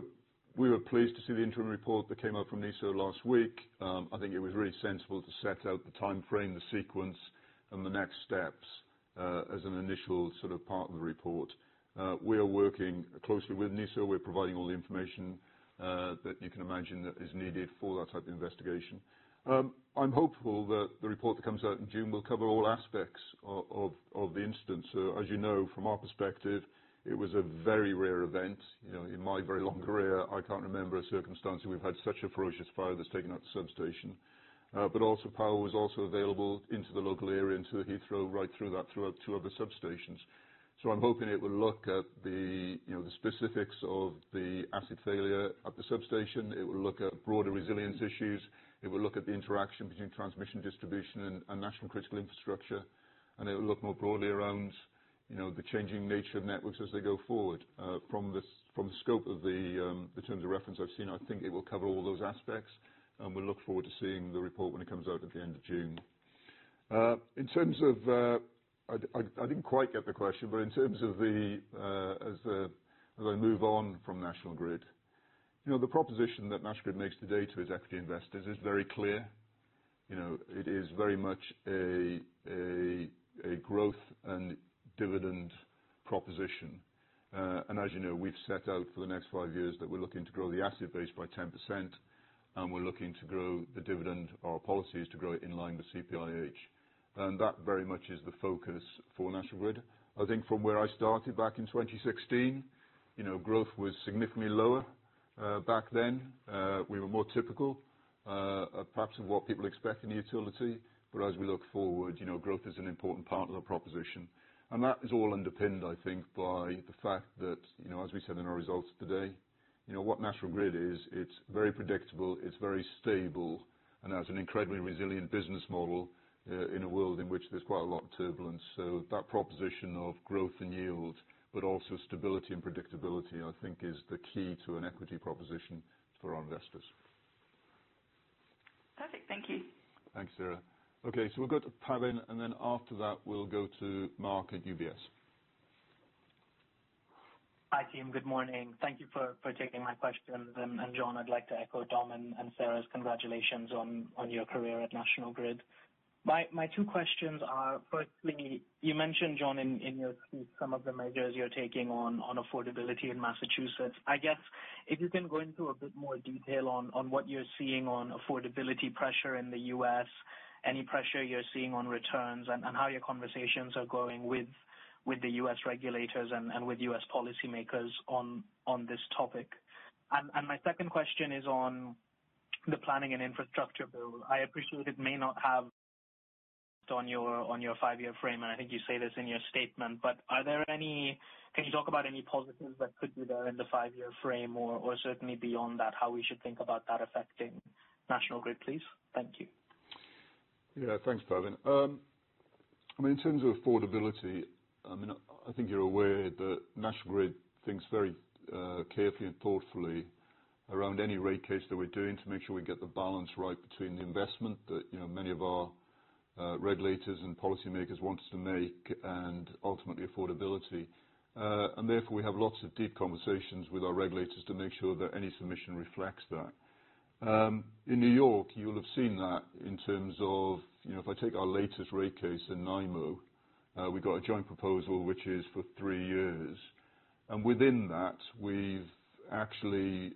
were pleased to see the interim report that came out from NESA last week. I think it was really sensible to set out the time frame, the sequence, and the next steps as an initial sort of part of the report. We are working closely with NESA. We're providing all the information that you can imagine that is needed for that type of investigation. I'm hopeful that the report that comes out in June will cover all aspects of the incident. As you know, from our perspective, it was a very rare event. In my very long career, I can't remember a circumstance where we've had such a ferocious fire that's taken out the substation. Power was also available into the local area, into the Heathrow, right through that, through two other substations. I'm hoping it will look at the specifics of the acid failure at the substation. It will look at broader resilience issues. It will look at the interaction between transmission distribution and national critical infrastructure. It will look more broadly around the changing nature of networks as they go forward. From the scope of the terms of reference I've seen, I think it will cover all those aspects. We will look forward to seeing the report when it comes out at the end of June. In terms of, I did not quite get the question, but in terms of, as I move on from National Grid, the proposition that National Grid makes today to its equity investors is very clear. It is very much a growth and dividend proposition. As you know, we have set out for the next five years that we are looking to grow the asset base by 10%, and we are looking to grow the dividend, our policy is to grow it in line with CPIH. That very much is the focus for National Grid. I think from where I started back in 2016, growth was significantly lower back then. We were more typical, perhaps, of what people expect in a utility. As we look forward, growth is an important part of the proposition. That is all underpinned, I think, by the fact that, as we said in our results today, what National Grid is, it's very predictable, it's very stable, and has an incredibly resilient business model in a world in which there's quite a lot of turbulence. That proposition of growth and yield, but also stability and predictability, I think, is the key to an equity proposition for our investors. Perfect. Thank you. Thanks, Sarah. Okay, we have Pavan, and then after that, we'll go to Mark at UBS. Hi, team. Good morning. Thank you for taking my questions. John, I'd like to echo Dom and Sarah's congratulations on your career at National Grid. My two questions are, firstly, you mentioned, John, in your speech, some of the measures you're taking on affordability in Massachusetts. I guess, if you can go into a bit more detail on what you're seeing on affordability pressure in the U.S., any pressure you're seeing on returns, and how your conversations are going with the U.S. regulators and with US policymakers on this topic. My second question is on the planning and infrastructure bill. I appreciate it may not have on your five-year frame, and I think you say this in your statement, but are there any, can you talk about any positives that could be there in the five-year frame or certainly beyond that, how we should think about that affecting National Grid, please? Thank you. Yeah, thanks, Pavan.I mean, in terms of affordability, I mean, I think you're aware that National Grid thinks very carefully and thoughtfully around any rate case that we're doing to make sure we get the balance right between the investment that many of our regulators and policymakers want us to make and ultimately affordability. Therefore, we have lots of deep conversations with our regulators to make sure that any submission reflects that. In New York, you'll have seen that in terms of if I take our latest rate case in NIMO, we've got a joint proposal which is for three years. Within that, we've actually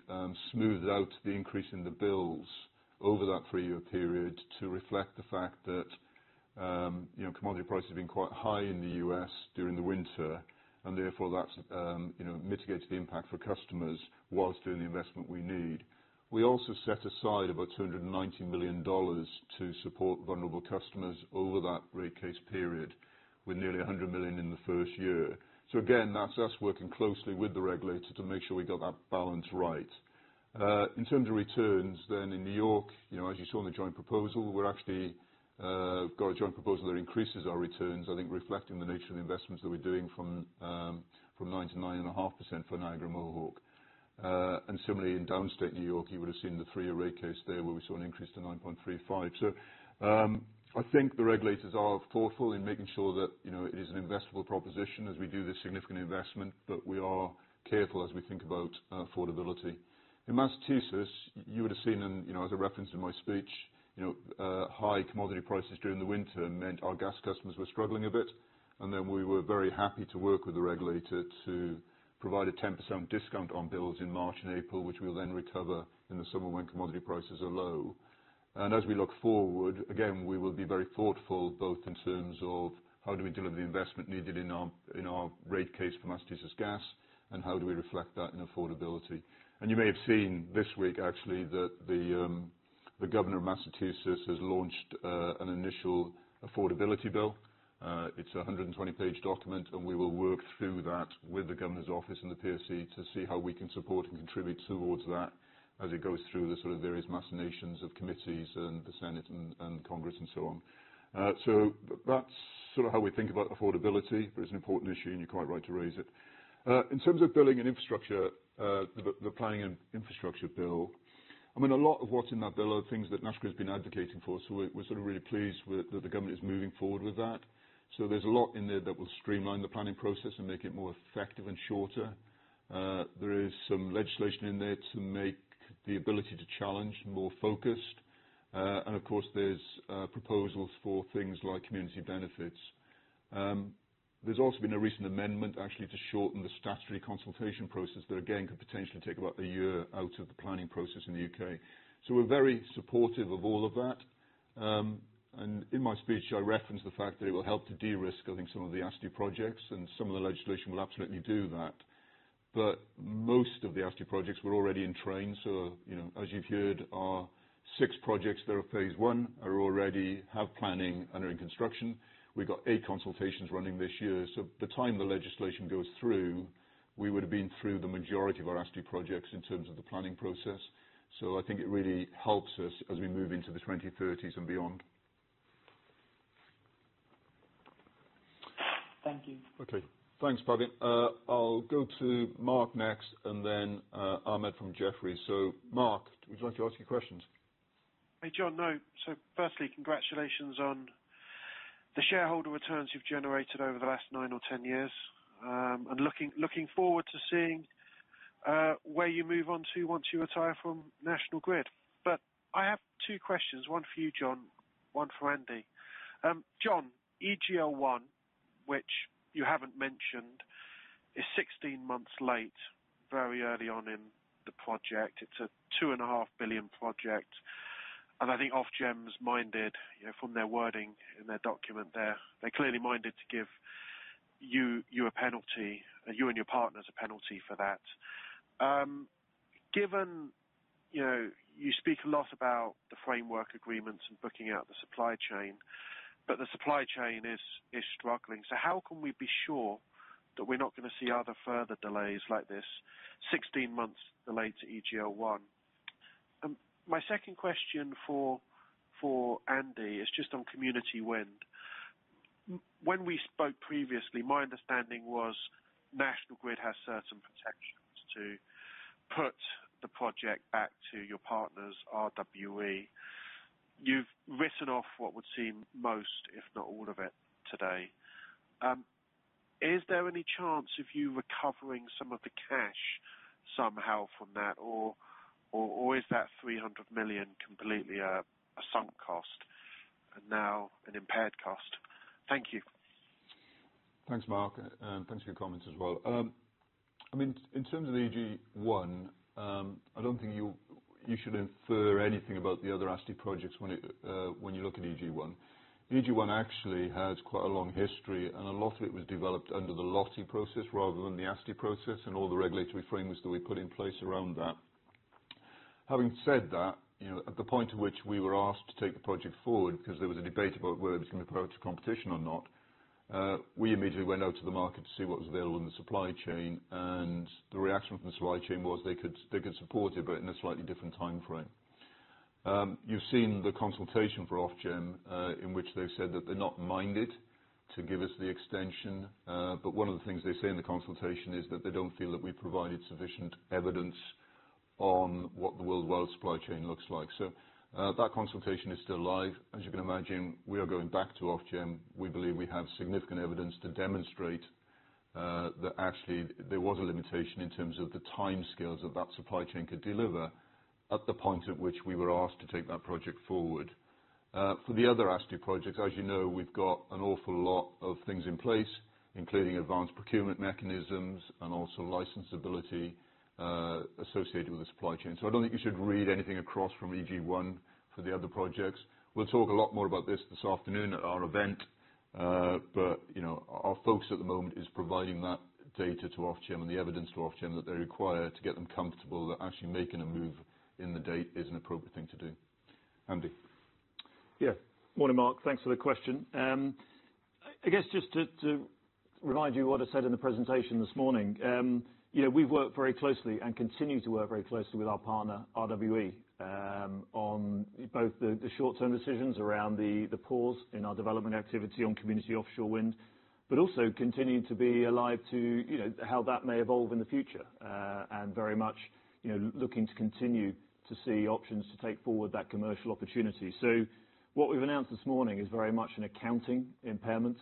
smoothed out the increase in the bills over that three-year period to reflect the fact that commodity prices have been quite high in the U.S. during the winter, and therefore, that's mitigated the impact for customers whilst doing the investment we need. We also set aside about $290 million to support vulnerable customers over that rate case period, with nearly $100 million in the first year. That is us working closely with the regulators to make sure we have got that balance right. In terms of returns, then in New York, as you saw in the joint proposal, we have got a joint proposal that increases our returns, I think, reflecting the nature of the investments that we are doing from 9% to 9.5% for Niagara Mohawk. Similarly, in Downstate New York, you would have seen the three-year rate case there where we saw an increase to 9.35%. I think the regulators are thoughtful in making sure that it is an investable proposition as we do this significant investment, but we are careful as we think about affordability. In Massachusetts, you would have seen, as a reference in my speech, high commodity prices during the winter meant our gas customers were struggling a bit. We were very happy to work with the regulator to provide a 10% discount on bills in March and April, which we will then recover in the summer when commodity prices are low. As we look forward, again, we will be very thoughtful both in terms of how do we deliver the investment needed in our rate case for Massachusetts gas, and how do we reflect that in affordability. You may have seen this week, actually, that the governor of Massachusetts has launched an initial affordability bill. It's a 120-page document, and we will work through that with the governor's office and the PSC to see how we can support and contribute towards that as it goes through the sort of various machinations of committees and the Senate and Congress and so on. That's sort of how we think about affordability, but it's an important issue, and you're quite right to raise it. In terms of billing and infrastructure, the planning and infrastructure bill, I mean, a lot of what's in that bill are things that National Grid has been advocating for. We're really pleased that the government is moving forward with that. There's a lot in there that will streamline the planning process and make it more effective and shorter. There is some legislation in there to make the ability to challenge more focused. Of course, there's proposals for things like community benefits. There's also been a recent amendment, actually, to shorten the statutory consultation process that, again, could potentially take about a year out of the planning process in the U.K. We are very supportive of all of that. In my speech, I referenced the fact that it will help to de-risk, I think, some of the ASTI projects, and some of the legislation will absolutely do that. Most of the ASTI projects were already in train. As you've heard, our six projects that are phase one already have planning and are in construction. We've got eight consultations running this year. By the time the legislation goes through, we would have been through the majority of our ASTI projects in terms of the planning process. I think it really helps us as we move into the 2030s and beyond. Thank you. Okay. Thanks, Pavan. I'll go to Mark next, and then Ahmed from Jefferies. Mark, would you like to ask your questions? Hey, John, no. Firstly, congratulations on the shareholder returns you've generated over the last nine or ten years. Looking forward to seeing where you move on to once you retire from National Grid. I have two questions, one for you, John, one for Andy. John, EGL1, which you haven't mentioned, is 16 months late, very early on in the project. It's a 2.5 billion project. I think Ofgem's minded, from their wording in their document, they're clearly minded to give you and your partners a penalty for that. Given you speak a lot about the framework agreements and booking out the supply chain, but the supply chain is struggling. So how can we be sure that we're not going to see other further delays like this, 16 months delayed to EGL1? My second question for Andy is just on community wind. When we spoke previously, my understanding was National Grid has certain protections to put the project back to your partners, RWE. You've written off what would seem most, if not all of it, today. Is there any chance of you recovering some of the cash somehow from that, or is that 300 million completely a sunk cost and now an impaired cost? Thank you. Thanks, Mark. And thanks for your comments as well. I mean, in terms of EGL1, I don't think you should infer anything about the other ASTI projects when you look at EGL1. EG1 actually has quite a long history, and a lot of it was developed under the LOTI process rather than the ASTI process and all the regulatory frameworks that we put in place around that. Having said that, at the point at which we were asked to take the project forward because there was a debate about whether it was going to be part of competition or not, we immediately went out to the market to see what was available in the supply chain. The reaction from the supply chain was they could support it, but in a slightly different time frame. You have seen the consultation for Ofgem, in which they have said that they are not minded to give us the extension. One of the things they say in the consultation is that they do not feel that we have provided sufficient evidence on what the worldwide supply chain looks like. That consultation is still live. As you can imagine, we are going back to Ofgem. We believe we have significant evidence to demonstrate that actually there was a limitation in terms of the time scales that that supply chain could deliver at the point at which we were asked to take that project forward. For the other ASTI projects, as you know, we've got an awful lot of things in place, including advanced procurement mechanisms and also licensability associated with the supply chain. I don't think you should read anything across from EG1 for the other projects. We'll talk a lot more about this this afternoon at our event. Our focus at the moment is providing that data to Ofgem and the evidence to Ofgem that they require to get them comfortable that actually making a move in the date is an appropriate thing to do. Andy. Yeah. Morning, Mark. Thanks for the question. I guess just to remind you what I said in the presentation this morning, we've worked very closely and continue to work very closely with our partner, RWE, on both the short-term decisions around the pause in our development activity on Community Offshore Wind, but also continue to be alive to how that may evolve in the future and very much looking to continue to see options to take forward that commercial opportunity. What we've announced this morning is very much an accounting impairment.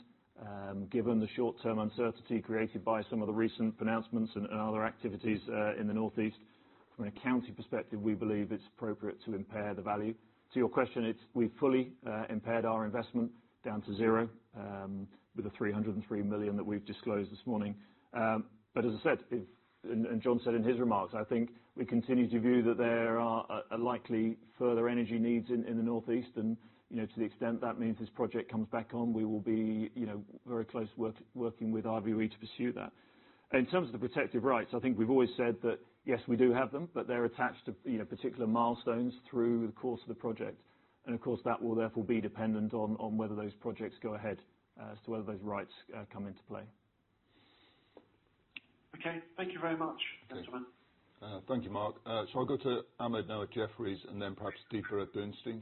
Given the short-term uncertainty created by some of the recent pronouncements and other activities in the Northeast, from an accounting perspective, we believe it's appropriate to impair the value. To your question, we've fully impaired our investment down to zero with the 303 million that we've disclosed this morning. As I said, and John said in his remarks, I think we continue to view that there are likely further energy needs in the northeast. To the extent that means this project comes back on, we will be very close working with RWE to pursue that. In terms of the protective rights, I think we have always said that, yes, we do have them, but they are attached to particular milestones through the course of the project. Of course, that will therefore be dependent on whether those projects go ahead as to whether those rights come into play. Okay. Thank you very much, Mr. Wynter. Thank you, Mark. I will go to Ahmed now at Jefferies and then perhaps Deeper at Bernstein.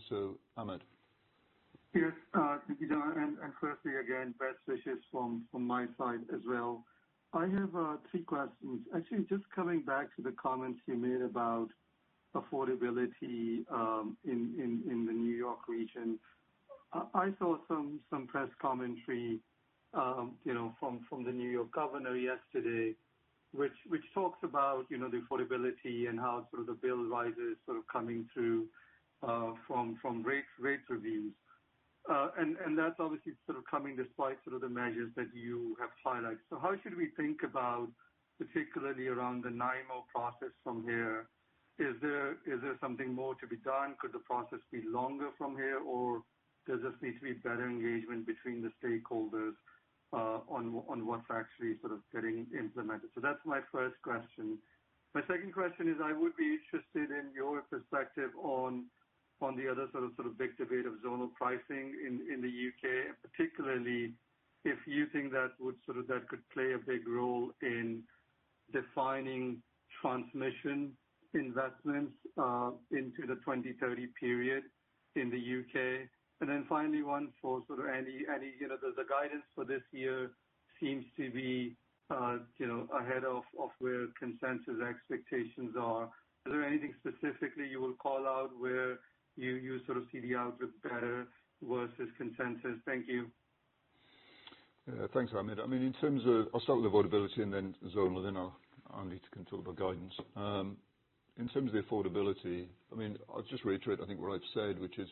Ahmed. Yes. Thank you, John. Firstly, again, best wishes from my side as well. I have three questions. Actually, just coming back to the comments you made about affordability in the New York region, I saw some press commentary from the New York governor yesterday, which talks about the affordability and how sort of the bill rises sort of coming through from rate reviews. That is obviously sort of coming despite sort of the measures that you have highlighted. How should we think about, particularly around the NIMO process from here? Is there something more to be done? Could the process be longer from here, or does this need to be better engagement between the stakeholders on what is actually sort of getting implemented? That is my first question. My second question is I would be interested in your perspective on the other sort of big debate of zonal pricing in the U.K., particularly if you think that could play a big role in defining transmission investments into the 2030 period in the U.K. Finally, one for sort of any, the guidance for this year seems to be ahead of where consensus expectations are. Is there anything specifically you will call out where you sort of see the outlook better versus consensus? Thank you. Thanks, Ahmed. I mean, in terms of, I'll start with affordability and then zonal, then I'll need to talk about guidance. In terms of the affordability, I mean, I'll just reiterate, I think, what I've said, which is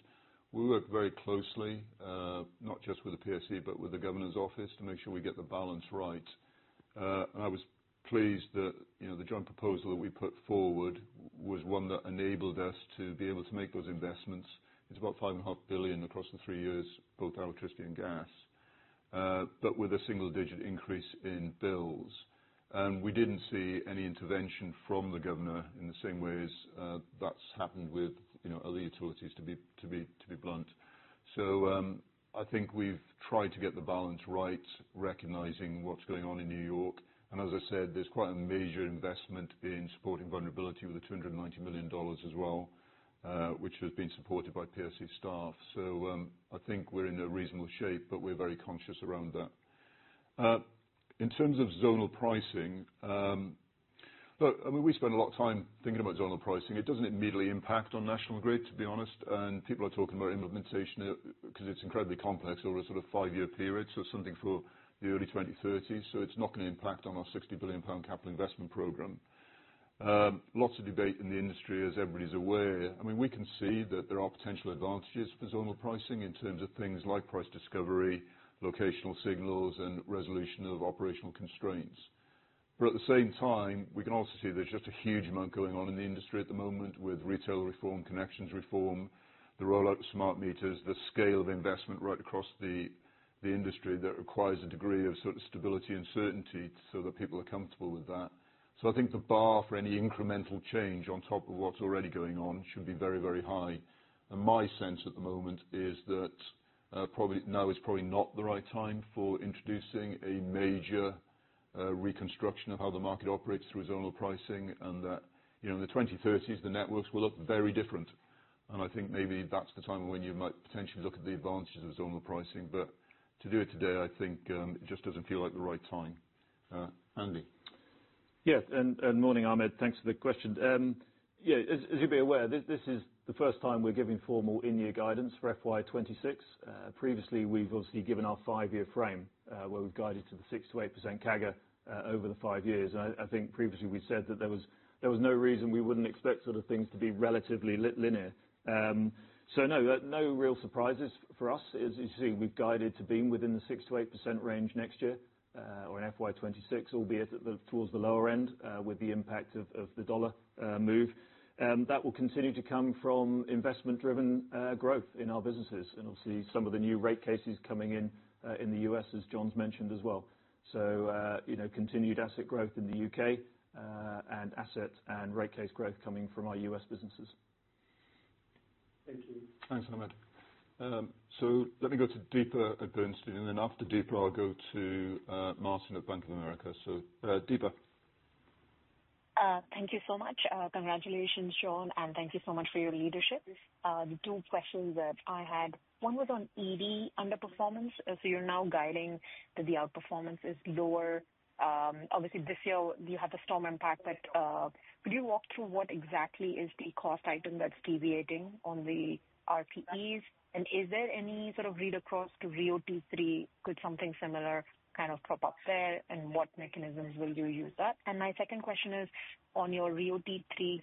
we worked very closely, not just with the PSC, but with the governor's office to make sure we get the balance right. I was pleased that the joint proposal that we put forward was one that enabled us to be able to make those investments. It is about $5.5 billion across the three years, both electricity and gas, but with a single-digit increase in bills. We did not see any intervention from the governor in the same way as that has happened with other utilities, to be blunt. I think we have tried to get the balance right, recognizing what is going on in New York. As I said, there is quite a major investment in supporting vulnerability with the $290 million as well, which has been supported by PSC staff. I think we are in a reasonable shape, but we are very conscious around that. In terms of zonal pricing, look, I mean, we spend a lot of time thinking about zonal pricing. It does not immediately impact on National Grid, to be honest. People are talking about implementation because it's incredibly complex over a sort of five-year period. It is something for the early 2030s. It is not going to impact on our 60 billion pound capital investment program. Lots of debate in the industry, as everybody's aware. I mean, we can see that there are potential advantages for zonal pricing in terms of things like price discovery, locational signals, and resolution of operational constraints. At the same time, we can also see there's just a huge amount going on in the industry at the moment with retail reform, connections reform, the rollout of smart meters, the scale of investment right across the industry that requires a degree of stability and certainty so that people are comfortable with that. I think the bar for any incremental change on top of what's already going on should be very, very high. My sense at the moment is that now is probably not the right time for introducing a major reconstruction of how the market operates through zonal pricing and that in the 2030s, the networks will look very different. I think maybe that is the time when you might potentially look at the advantages of zonal pricing. To do it today, it just does not feel like the right time. Andy. Yes. Morning, Ahmed. Thanks for the question. As you will be aware, this is the first time we are giving formal in-year guidance for FY2026. Previously, we have obviously given our five-year frame where we have guided to the 6 - 8% CAGR over the five years. I think previously we said that there was no reason we would not expect sort of things to be relatively linear. No real surprises for us. As you see, we've guided to be within the 6-8% range next year or in FY2026, albeit towards the lower end with the impact of the dollar move. That will continue to come from investment-driven growth in our businesses and obviously some of the new rate cases coming in in the U.S., as John's mentioned as well. Continued asset growth in the U.K. and asset and rate case growth coming from our U.S. businesses. Thank you. Thanks, Ahmed. Let me go to Deeper at Bernstein. After Deeper, I'll go to Martin at Bank of America. Deeper. Thank you so much. Congratulations, John. Thank you so much for your leadership. The two questions that I had, one was on EV underperformance. You're now guiding that the outperformance is lower. Obviously, this year, you had the storm impact. Could you walk through what exactly is the cost item that's deviating on the RPEs? Is there any sort of read across to RIIO-T3? Could something similar kind of crop up there? What mechanisms will you use for that? My second question is on your RIIO-T3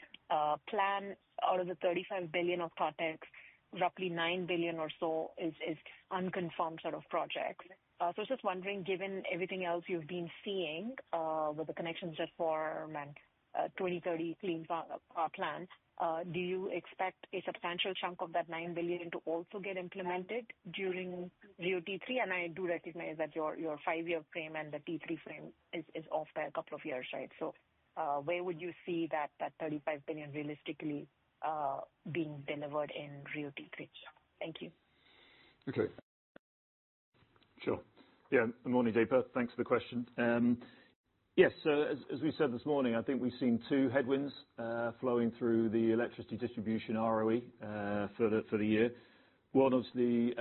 plan. Out of the 35 billion of targets, roughly 9 billion or so is unconfirmed sort of projects. I was just wondering, given everything else you've been seeing with the connections just for and 2030 clean plan, do you expect a substantial chunk of that 9 billion to also get implemented during RIIO-T3? I do recognize that your five-year frame and the T3 frame is off by a couple of years, right? Where would you see that 35 billion realistically being delivered in RIIO-T3? Thank you. Okay. Sure. Yeah. Morning, Deeper. Thanks for the question. Yes. As we said this morning, I think we've seen two headwinds flowing through the electricity distribution ROE for the year. One was due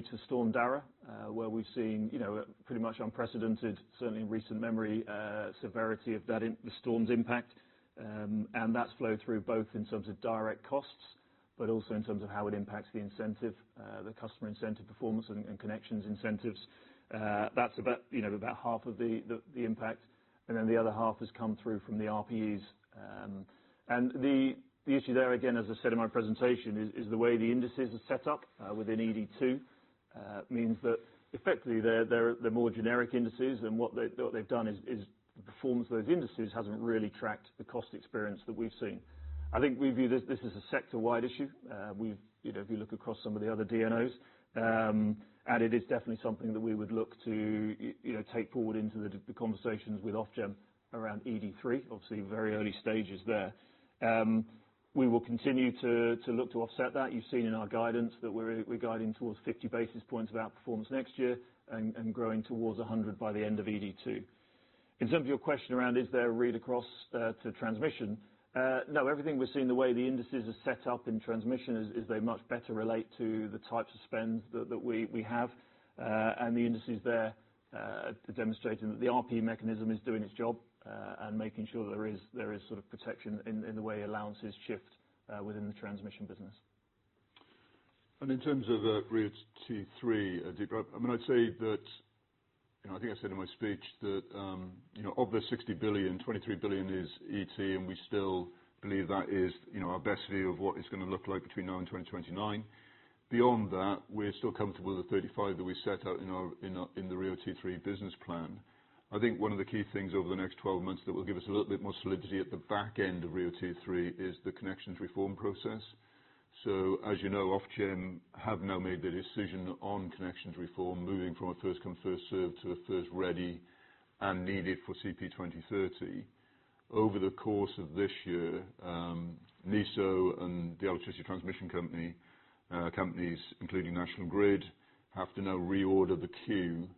to Storm Dara, where we've seen pretty much unprecedented, certainly in recent memory, severity of the storm's impact. That has flowed through both in terms of direct costs, but also in terms of how it impacts the incentive, the customer incentive performance and connections incentives. That is about half of the impact. The other half has come through from the RPEs. The issue there, again, as I said in my presentation, is the way the indices are set up within ED2 means that effectively they are more generic indices. What they have done is the performance of those indices has not really tracked the cost experience that we've seen. I think we view this as a sector-wide issue. If you look across some of the other DNOs, and it is definitely something that we would look to take forward into the conversations with Ofgem around ED3, obviously very early stages there. We will continue to look to offset that. You've seen in our guidance that we're guiding towards 50 basis points of outperformance next year and growing towards 100 by the end of ED2. In terms of your question around, is there a read across to transmission? No. Everything we've seen, the way the indices are set up in transmission is they much better relate to the types of spends that we have. And the indices there are demonstrating that the RPE mechanism is doing its job and making sure that there is sort of protection in the way allowances shift within the transmission business. In terms of RIIO-T3, Deeper, I mean, I'd say that I think I said in my speech that of the 60 billion, 23 billion is ET, and we still believe that is our best view of what it's going to look like between now and 2029. Beyond that, we're still comfortable with the 35 billion that we set out in the RIIO-T3 business plan. I think one of the key things over the next 12 months that will give us a little bit more solidity at the back end of RIIO-T3 is the connections reform process. As you know, Ofgem have now made the decision on connections reform, moving from a first-come, first-served to a first-ready and needed for CP2030. Over the course of this year, NESO and the electricity transmission companies, including National Grid, have to now reorder the queue.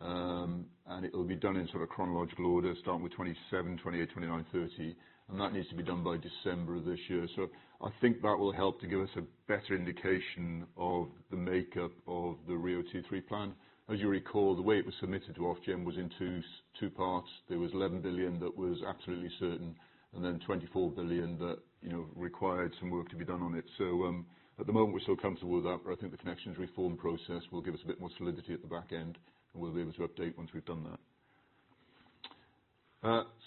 It will be done in sort of chronological order, starting with 2027, 2028, 2029, 2030. That needs to be done by December of this year. I think that will help to give us a better indication of the makeup of the RIIO-T3 plan. As you recall, the way it was submitted to Ofgem was in two parts. There was 11 billion that was absolutely certain, and then 24 billion that required some work to be done on it. At the moment, we're still comfortable with that. I think the connections reform process will give us a bit more solidity at the back end, and we'll be able to update once we've done that.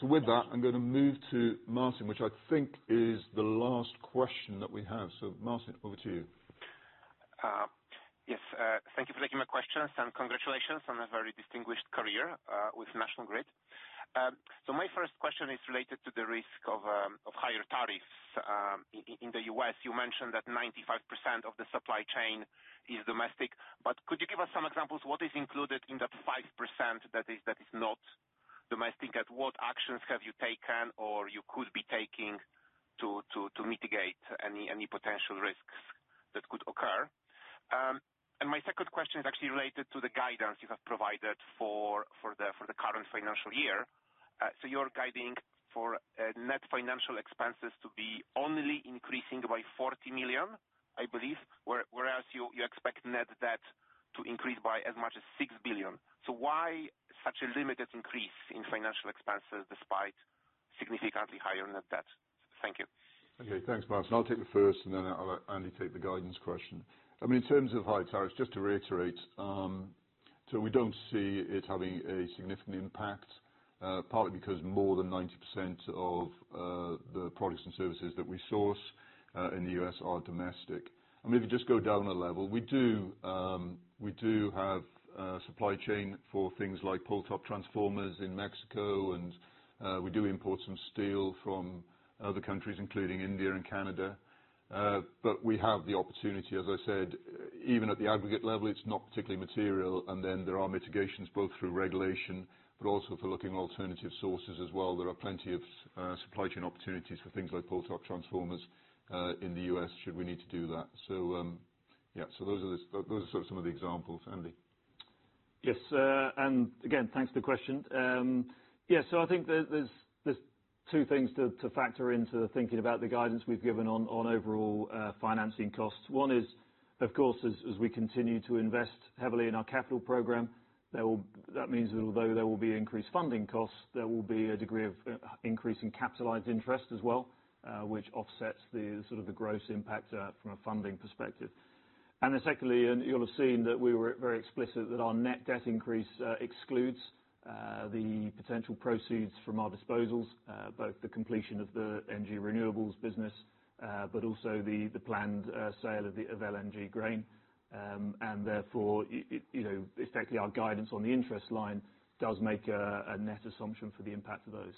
With that I'm going to move to Martin, which I think is the last question that we have. Martin, over to you. Yes. Thank you for taking my questions. Congratulations on a very distinguished career with National Grid. My first question is related to the risk of higher tariffs in the U.S. You mentioned that 95% of the supply chain is domestic. Could you give us some examples? What is included in that 5% that is not domestic? What actions have you taken or could be taking to mitigate any potential risks that could occur? My second question is actually related to the guidance you have provided for the current financial year. You are guiding for net financial expenses to be only increasing by $40 million, I believe, whereas you expect net debt to increase by as much as $6 billion. Why such a limited increase in financial expenses despite significantly higher net debt? Thank you. Okay. Thanks, Martin. I'll take the first, and then I'll only take the guidance question. I mean, in terms of high tariffs, just to reiterate, we do not see it having a significant impact, partly because more than 90% of the products and services that we source in the U.S. are domestic. Maybe just go down a level. We do have supply chain for things like pull-up transformers in Mexico, and we do import some steel from other countries, including India and Canada. We have the opportunity, as I said, even at the aggregate level, it is not particularly material. There are mitigations both through regulation, but also for looking at alternative sources as well. There are plenty of supply chain opportunities for things like pull-up transformers in the U.S. should we need to do that. Those are sort of some of the examples. Andy. Yes. Again, thanks for the question. Yeah.I think there are two things to factor into thinking about the guidance we have given on overall financing costs. One is, of course, as we continue to invest heavily in our capital program, that means that although there will be increased funding costs, there will be a degree of increase in capitalized interest as well, which offsets the sort of gross impact from a funding perspective. Secondly, you will have seen that we were very explicit that our net debt increase excludes the potential proceeds from our disposals, both the completion of the energy renewables business, but also the planned sale of Grain LNG. Therefore, effectively, our guidance on the interest line does make a net assumption for the impact of those.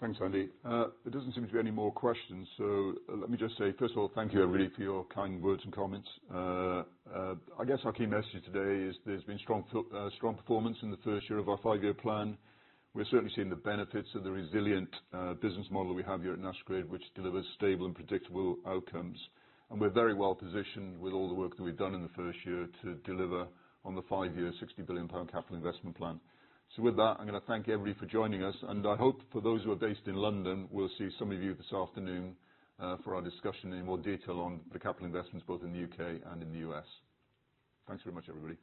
Thanks, Andy. There does not seem to be any more questions. Let me just say, first of all, thank you, everybody, for your kind words and comments. I guess our key message today is there's been strong performance in the first year of our five-year plan. We're certainly seeing the benefits of the resilient business model we have here at National Grid, which delivers stable and predictable outcomes. We're very well positioned with all the work that we've done in the first year to deliver on the five-year 60 billion pound capital investment plan. With that, I'm going to thank everybody for joining us. I hope for those who are based in London, we'll see some of you this afternoon for our discussion in more detail on the capital investments, both in the U.K. and in the U.S. Thanks very much, everybody.